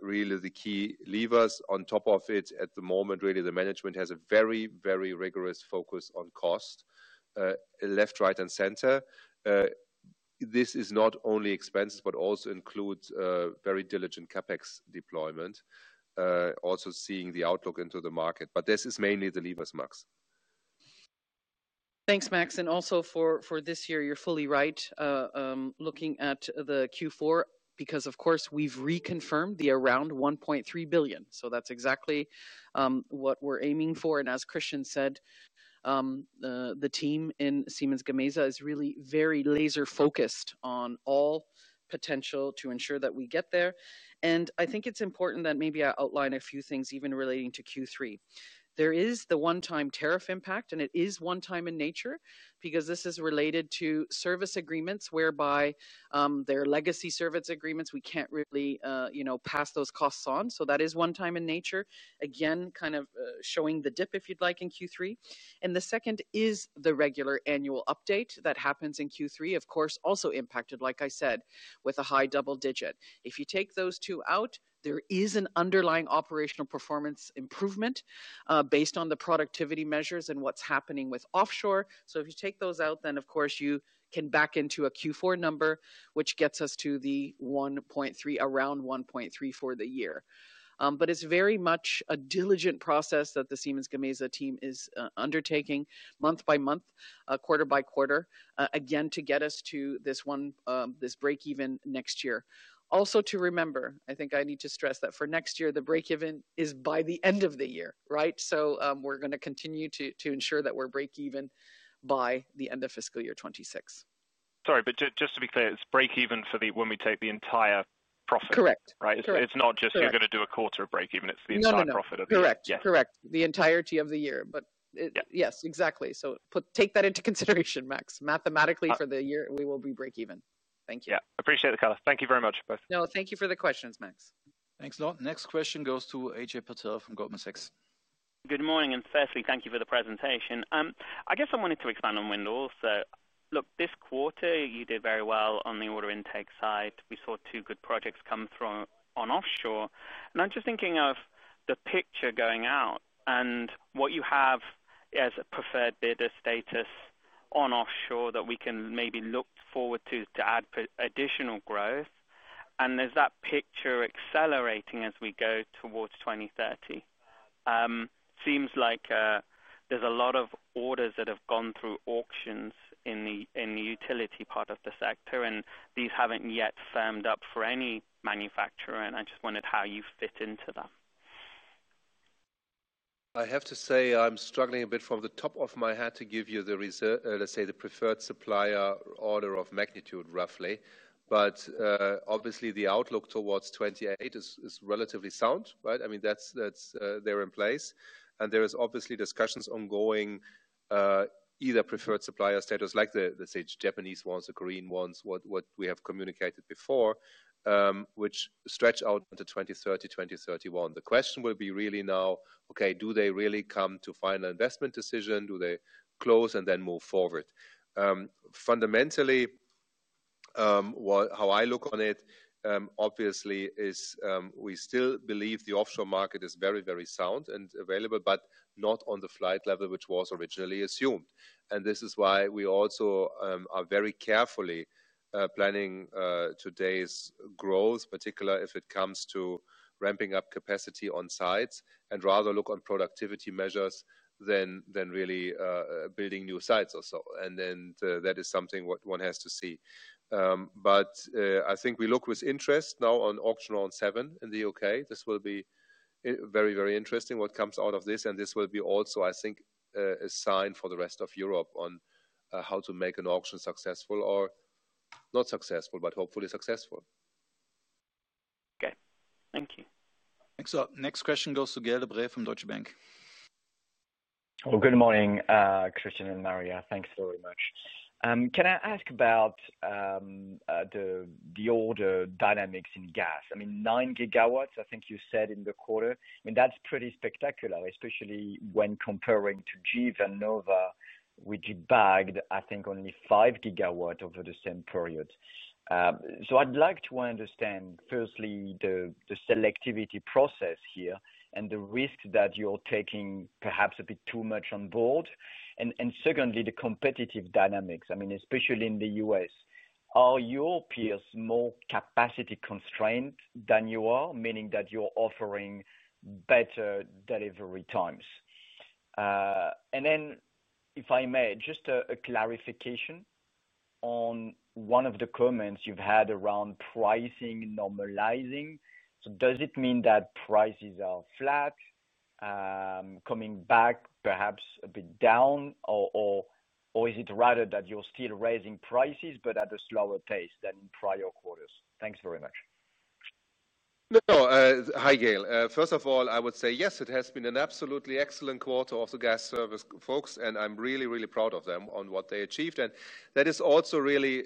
really the key levers on top of it at the moment. Really the management has a very, very rigorous focus on cost left, right and center. This is not only expenses but also includes very diligent CapEx deployment. Also seeing the outlook into the market. This is mainly the levers, Max. Thanks, Max. Also, for this year you're fully right looking at the Q4 because of course we've reconfirmed the around 1.3 billion. That's exactly what we're aiming for. As Christian said, the team in Siemens Gamesa is really very laser focused on all potential to ensure that we get there. I think it's important that maybe I outline a few things even relating to Q3. There is the one-time tariff impact, and it is one-time in nature because this is related to service agreements whereby their legacy service agreements we can't really pass those costs on. That is one-time in nature again, kind of showing the dip, if you'd like, in Q3. The second is the regular annual update that happens in Q3, of course also impacted, like I said, with a high double digit. If you take those two out, there is an underlying operational performance improvement based on the productivity measures and what's happening with offshore. If you take those out, then of course you can back into a Q4 number which gets us to the 1.3 billion, around 1.3 billion for the year. It's very much a diligent process that the Siemens Gamesa team is undertaking month by month, quarter by quarter again to get us to this one, this break even next year. Also, to remember, I think I need to stress that for next year the break even is by the end of the year. Right. We're going to continue to ensure that we're break even by the end of fiscal year 2026. Sorry, but just to be clear, it's break even when we take the entire profit. Correct. Right. It's not just you're going to do a quarter of break even. It's the entire profit. Correct, correct. The entirety of the year, yes, exactly. Take that into consideration, Max. Mathematically for the year we will be break even. Thank you. Yeah, appreciate it. Thank you very much. No, thank you for the questions, Max. Thanks a lot. Next question goes to Ajay Patel from Goldman Sachs. Good morning and firstly thank you for the presentation. I guess I wanted to expand on wind. Also, look, this quarter you did very well on the order intake side. We saw two good projects come through on offshore, and I'm just thinking of the picture going out and what you have as a preferred bidder status on offshore that we can maybe look forward to, to add additional growth. Is that picture accelerating as we go towards 2030? Seems like there's a lot of orders that have gone through auctions in the utility part of the sector, and these haven't yet firmed up for any manufacturer. I just wondered how you fit into that. I have to say I'm struggling a bit from the top of my head to give you the result. Let's say the preferred supplier order of magnitude roughly, but obviously the outlook towards 2028 is relatively sound, right? I mean that's there in place and there are obviously discussions ongoing, either preferred supplier status like the Japanese ones, the Korean ones, what we have communicated before, which stretch out into 2030, 2031. The question will be really now, okay, do they really come to final investment decision? Do they close and then move forward? Fundamentally, how I look on it obviously is we still believe the offshore market is very, very sound and available, but not on the flight level which was originally assumed. This is why we also are very carefully planning today's growth, particularly if it comes to ramping up capacity on sites and rather look on productivity measures than really building new sites or so. That is something one has to see. I think we look with interest now on auction round seven in the U.K. This will be very, very interesting what comes out of this. This will be also, I think, a sign for the rest of Europe on how to make an auction successful or not successful, but hopefully successful. Okay, thank you. Excellent. Next question goes to Gael De Bray from Deutsche Bank. Good morning, Christian and Maria, thanks very much. Can I ask about the order dynamics in gas? I mean, 9 GW, I think you said, in the quarter, that's pretty spectacular, especially when comparing to GE Vernova, which bagged, I think, only 5 GW over the same period. I'd like to understand firstly, the selectivity process here and the risk that you're taking, perhaps a bit too much on board. Secondly, the competitive dynamics, especially in the U.S. Are Europeans more capacity constrained than you are, meaning that you're offering better delivery times? If I may, just a clarification on one of the comments you've had around pricing normalizing. Does it mean that prices are flat, coming back perhaps a bit down, or is it rather that you're still raising prices but at a slower pace than prior quarters? Thanks very much. Hi, Gael. First of all, I would say yes, it has been an absolutely excellent quarter for the gas service folks and I'm really, really proud of them on what they achieved. That is also really,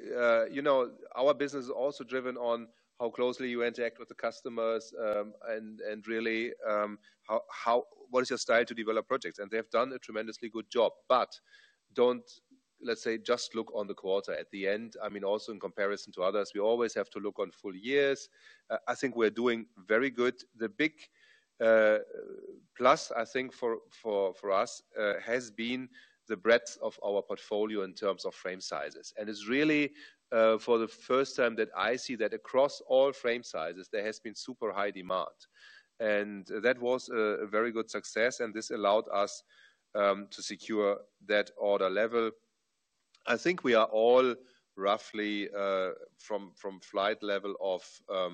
you know, our business is also driven on how closely you interact with the customers and really what is your style to develop projects. They have done a tremendously good job. Don't just look on the quarter at the end. I mean also in comparison to others, we always have to look on full years. I think we're doing very good. The big plus I think for us has been the breadth of our portfolio in terms of frame sizes. It's really for the first time that I see that across all frame sizes there has been super high demand. That was a very good success. This allowed us to secure that order level. I think we are all roughly from flight level of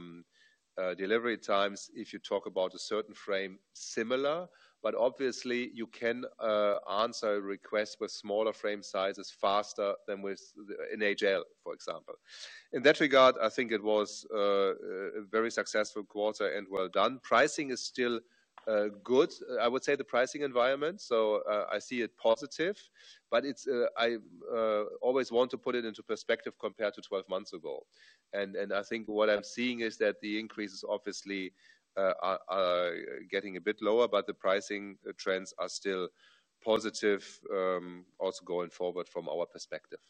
delivery times. If you talk about a certain frame, similar, but obviously you can answer requests with smaller frame sizes faster than with NHL, for example. In that regard, I think it was a very successful quarter and well done. Pricing is still good, I would say the pricing environment. I see it positive. I always want to put it into perspective compared to 12 months ago. I think what I'm seeing is that the increases obviously are getting a bit lower, but the pricing trends are still positive also going forward from our perspective.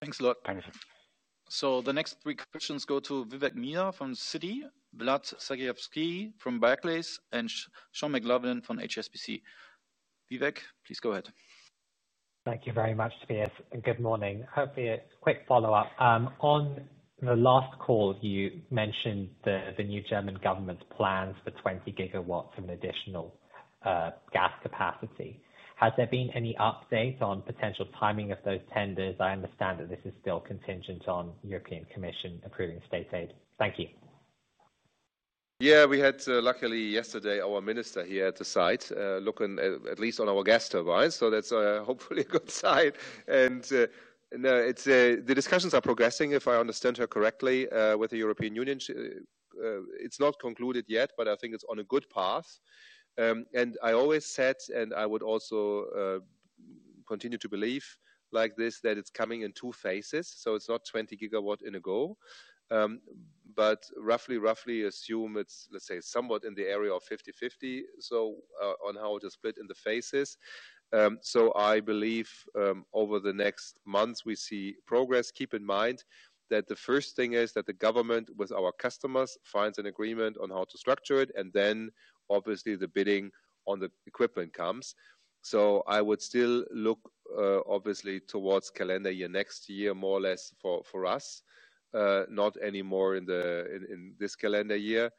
Thanks a lot. The next three questions go to Vivek Midha from Citi, Vlad Sergievskiy from Barclays, and Sean McLoughlin from HSBC. Vivek, please go ahead. Thank you very much and good morning. Hopefully a quick follow up on the last call. You mentioned the new German government's plans for 20 GW of additional gas capacity. Has there been any update on potential timing of those tenders? I understand that this is still contingent on European Commission approving state aid. Thank you. Yeah, we had luckily yesterday our minister here at the site looking at least on our gas turbines. That's hopefully a good sign, and the discussions are progressing, if I understand her correctly, with the European Union. It's not concluded yet, but I think it's on a good path. I always said, and I would also continue to believe like this, that it's coming in two phases. It's not 20 GW in a go, but roughly, roughly assume it's, let's say, somewhat in the area of 50/50, on how it is split in the phases. I believe over the next months we see progress. Keep in mind that the first thing is that the government with our customers finds an agreement on how to structure it, and then obviously the bidding on the equipment comes. I would still look obviously towards calendar year, next year more or less for us, not anymore in this calendar year.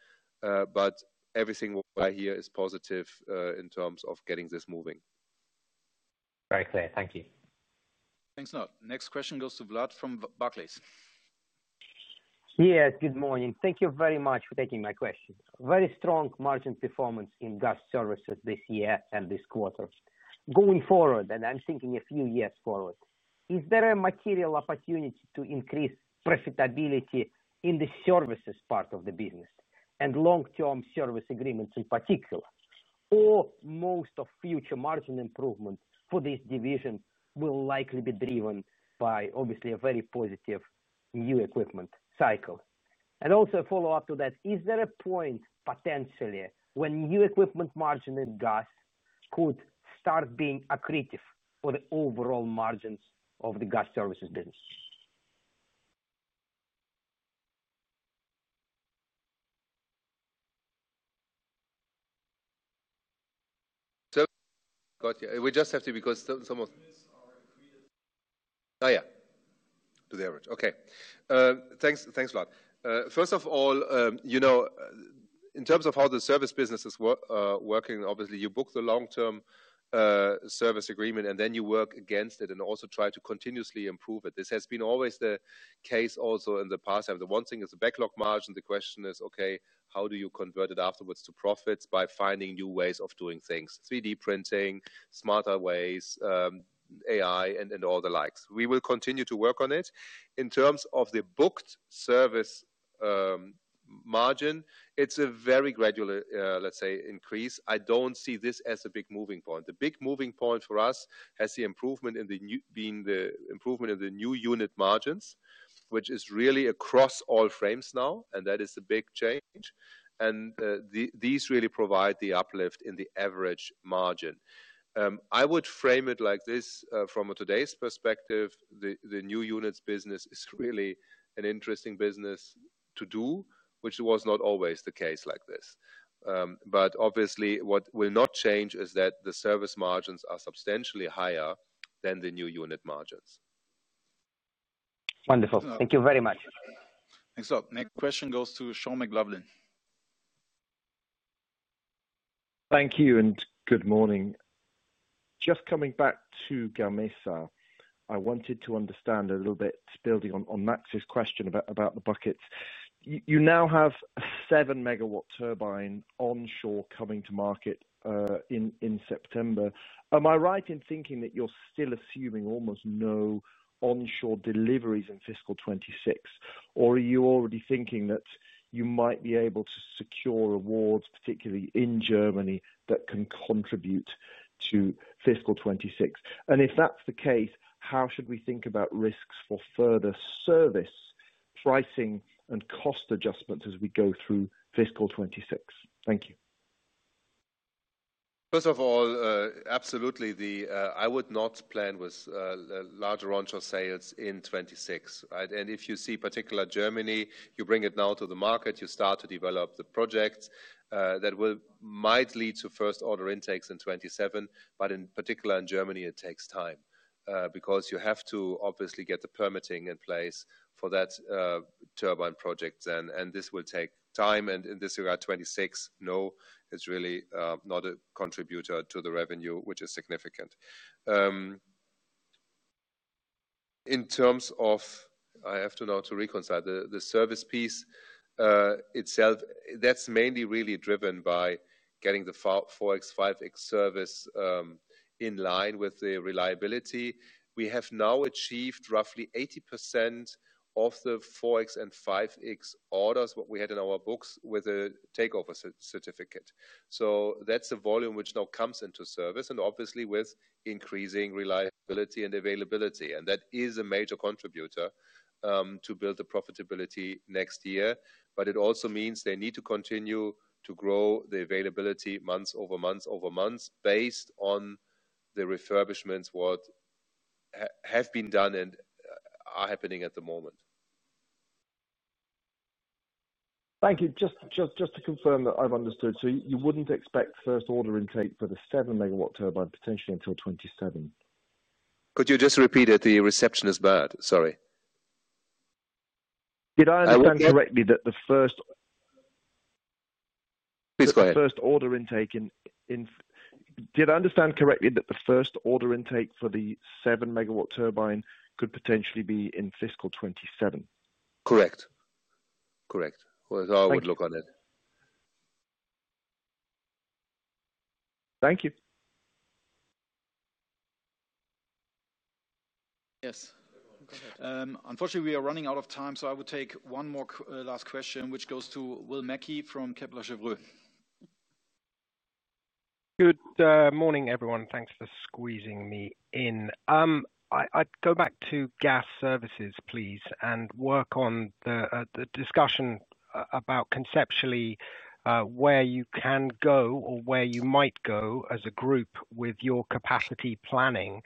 Everything here is positive in terms of getting this moving. Very clear. Thank you. Thanks. Next question goes to Vlad from Barclays. Yes, good morning. Thank you very much for taking my question. Very strong margin performance in gas services this year and this quarter. Going forward, and I'm thinking a few years forward, is there a material opportunity to increase profitability in the services part of the business and long term service agreements in particular, or most of future margin improvement for this division will likely be driven by obviously a very positive new equipment cycle? Also, a follow up to that, is there a point potentially when new equipment margin in gas could start being accretive for the overall margins of the gas services business? Got you. We just have to. Because some of. Oh yeah, to the average. Okay, thanks. Thanks a lot. First of all, you know, in terms of how the service business is working, obviously you book the long-term service agreement and then you work against it and also try to continuously improve it. This has been always the case also in the past. The one thing is the backlog margin. The question is, okay, how do you convert it afterwards to profits? By finding new ways of doing things, 3D printing, smarter ways, AI and all the likes. We will continue to work on it. In terms of the booked service margin, it's a very gradual, let's say, increase. I don't see this as a big moving point. The big moving point for us has the improvement in the new being the improvement in the new unit margins, which is really across all frames now. That is the big change. These really provide the uplift in the average margin. I would frame it like this. From today's perspective, the new units business is really an interesting business to do, which was not always the case like this. Obviously, what will not change is that the service margins are substantially higher than the new unit margins. Wonderful, thank you very much. Next question goes to Sean McLoughlin. Thank you and good morning. Just coming back to Siemens Gamesa, I wanted to understand a little bit, building on Max's question about the buckets, you now have a 7 MW turbine onshore coming to market in September. Am I right in thinking that you're still assuming almost no onshore deliveries in fiscal 2026 or are you already thinking that you might be able to secure awards, particularly in Germany, that can contribute to fiscal 2026? If that's the case, how should we think about risks for further service pricing and cost adjustments as we go through fiscal 2026? Thank you. First of all, absolutely. I would not plan with large Rancho sales in 2026. If you see, particularly Germany, you bring it now to the market, you start to develop the projects that might lead to first order intakes in 2027. Particularly in Germany, it takes time because you have to obviously get the permitting in place for that turbine project, and this will take time. In this regard, 2026, no, it's really not a contributor to the revenue which is significant. I have to now reconcile the service piece itself. That's mainly really driven by getting the 4.X 5.X service in line with the reliability. We have now achieved roughly 80% of the 4.X and 5.X orders we had in our books with a takeover certificate. That's the volume which now comes into service, obviously with increasing reliability and availability. That is a major contributor to build the profitability next year. It also means they need to continue to grow the availability month over month over month based on the refurbishments that have been done and are happening at the moment. Thank you. Just to confirm that I've understood, you wouldn't expect first order intake for the 7 MW turbine potentially until 2027? Could you just repeat it? The reception is bad. Sorry. Did I understand correctly that the first order intake for the 7 MW turbine could potentially be in fiscal 2027? Correct. Correct. How I would look on it. Thank you. Yes. Go ahead. Unfortunately, we are running out of time, so I would take one more last question, which goes to Will Mackie from Kepler Cheuvreux. Good morning everyone. Thanks for squeezing me in. I'd go back to gas services please and work on the discussion about conceptually where you can go or where you might go as a group with your capacity planning.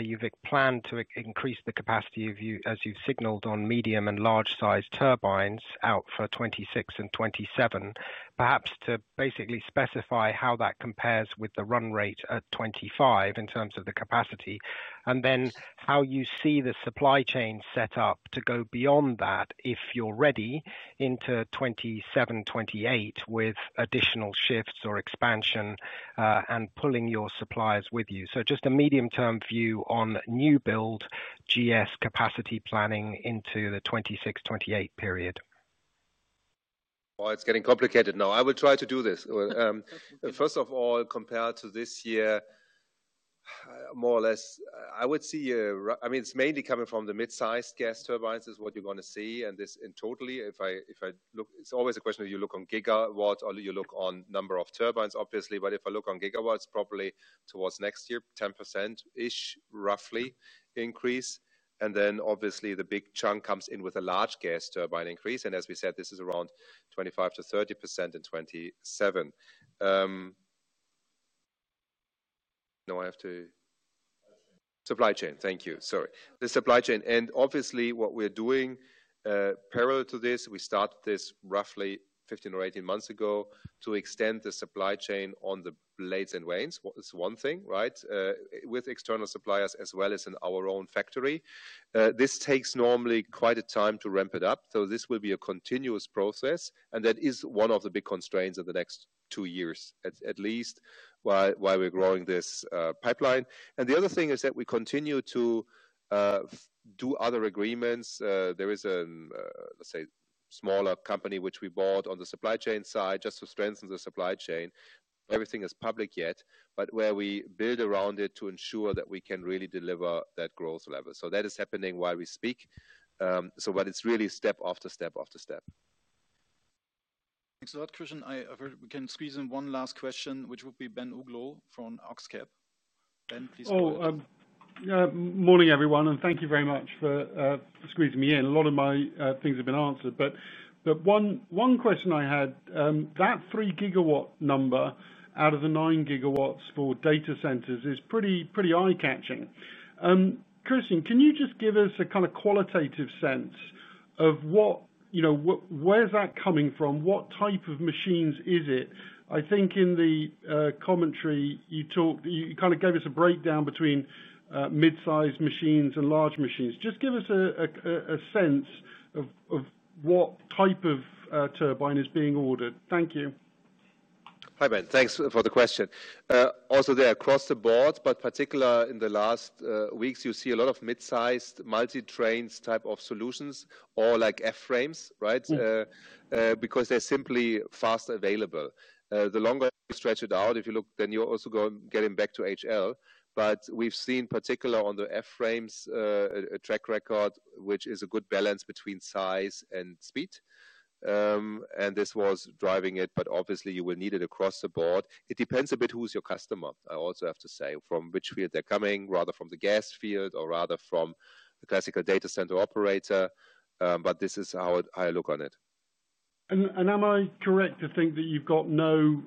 You've planned to increase the capacity as you've signaled on medium and large sized turbines out for 2026 and 2027, perhaps to basically specify how that compares with the run rate at 2025 in terms of the capacity, and then how you see the supply chain set up to go beyond that if you're ready into 2027, 2028 with additional shifts or expansion and pulling your suppliers with you. Just a medium term view on new build gas services capacity planning into the 2026 to 2028 period. Oh, it's getting complicated now. I will try to do this. First of all, compared to this year, more or less I would see, I mean it's mainly coming from the mid sized gas turbines is what you're going to see. This in total, if I look, it's always a question of you look on GW or you look on number of turbines obviously. If I look on GW, probably towards next year, 10%-ish roughly increase, and then obviously the big chunk comes in with a large gas turbine increase. As we said, this is around 25%-30% in 2027. Now I have to supply chain. Thank you. Sorry, the supply chain and obviously what we're doing parallel to this, we started this roughly 15 or 18 months ago to extend the supply chain on the blades and vanes. It's one thing, right? With external suppliers as well as in our own factory, this takes normally quite a time to ramp it up. This will be a continuous process and that is one of the big constraints of the next two years at least while we're growing this pipeline. The other thing is that we continue to do other agreements. There is a, let's say, smaller company which we bought on the supply chain side just to strengthen the supply chain. Everything is public yet, but where we build around it to ensure that we can really deliver that growth level. That is happening while we speak. It's really step after step after step. Thanks for that, Christian. I can squeeze in one last question, which would be Ben Uglow from Oxcap. Ben, please. Morning everyone and thank you very much for squeezing me in. A lot of my things have been answered, but one question I had, that 3 GW number out of the 9 GW for data centers is pretty, pretty eye catching. Christian, can you just give us a kind of qualitative sense of where's that coming from? What type of machines is it? I think in the commentary you talked, you kind of gave us a breakdown between mid sized machines and large machines. Just give us a sense of what type of turbine is being ordered. Thank you. Hi Ben, thanks for the question. Also there across the board, but particularly in the last weeks you see a lot of mid-sized multi-trains type of solutions or like F frames, right, because they're simply fast available. The longer you stretch it out, if you look then you're also going, getting back to HL. We've seen particularly on the F frames a track record which is a good balance between size and speed, and this was driving it. Obviously you will need it across the board. It depends a bit who's your customer. I also have to say from which field they're coming, rather from the gas field or rather from the classical data center operator. This is how I look on it. Am I correct to think that you've got no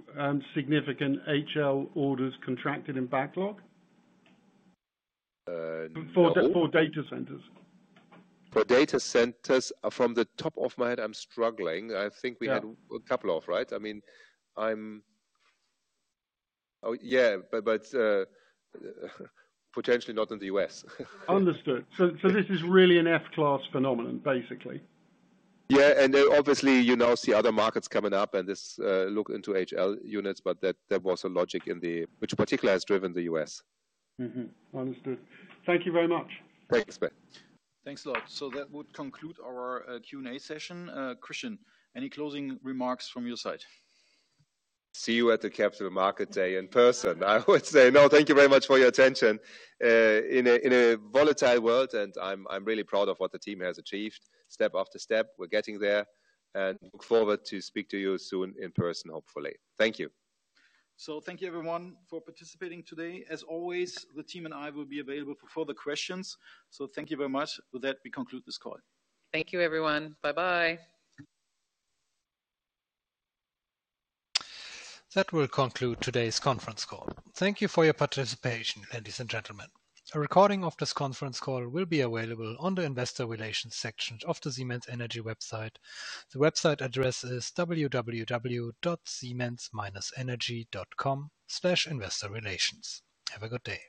significant HVDC orders contracted in backlog for data centers? For data centers, from the top of my head, I'm struggling. I think we had a couple of, right, I mean, I'm, yeah, potentially not in the U.S. Understood. This is really an F class phenomenon basically. Obviously, you now see other markets coming up, and this look into HL units. That was the logic in it, which in particular has driven the U.S. Understood. Thank you very much. Thanks Ben. Thanks a lot. That would conclude our Q&A session. Christian, any closing remarks from your side? See you at the Capital Market Day in person. I would say no. Thank you very much for your attention in a volatile world, and I'm really proud of what the team has achieved step after step. We're getting there and look forward to speak to you soon in person, hopefully. Thank you. Thank you everyone for participating today. As always, the team and I will be available for further questions. Thank you very much. With that, we conclude this call. Thank you, everyone. Bye bye. That will conclude today's conference call. Thank you for your participation, ladies and gentlemen. A recording of this conference call will be available on the investor relations section of the Siemens Energy website. The website address is www.siemens-energy.com/investorrelations. Have a good day.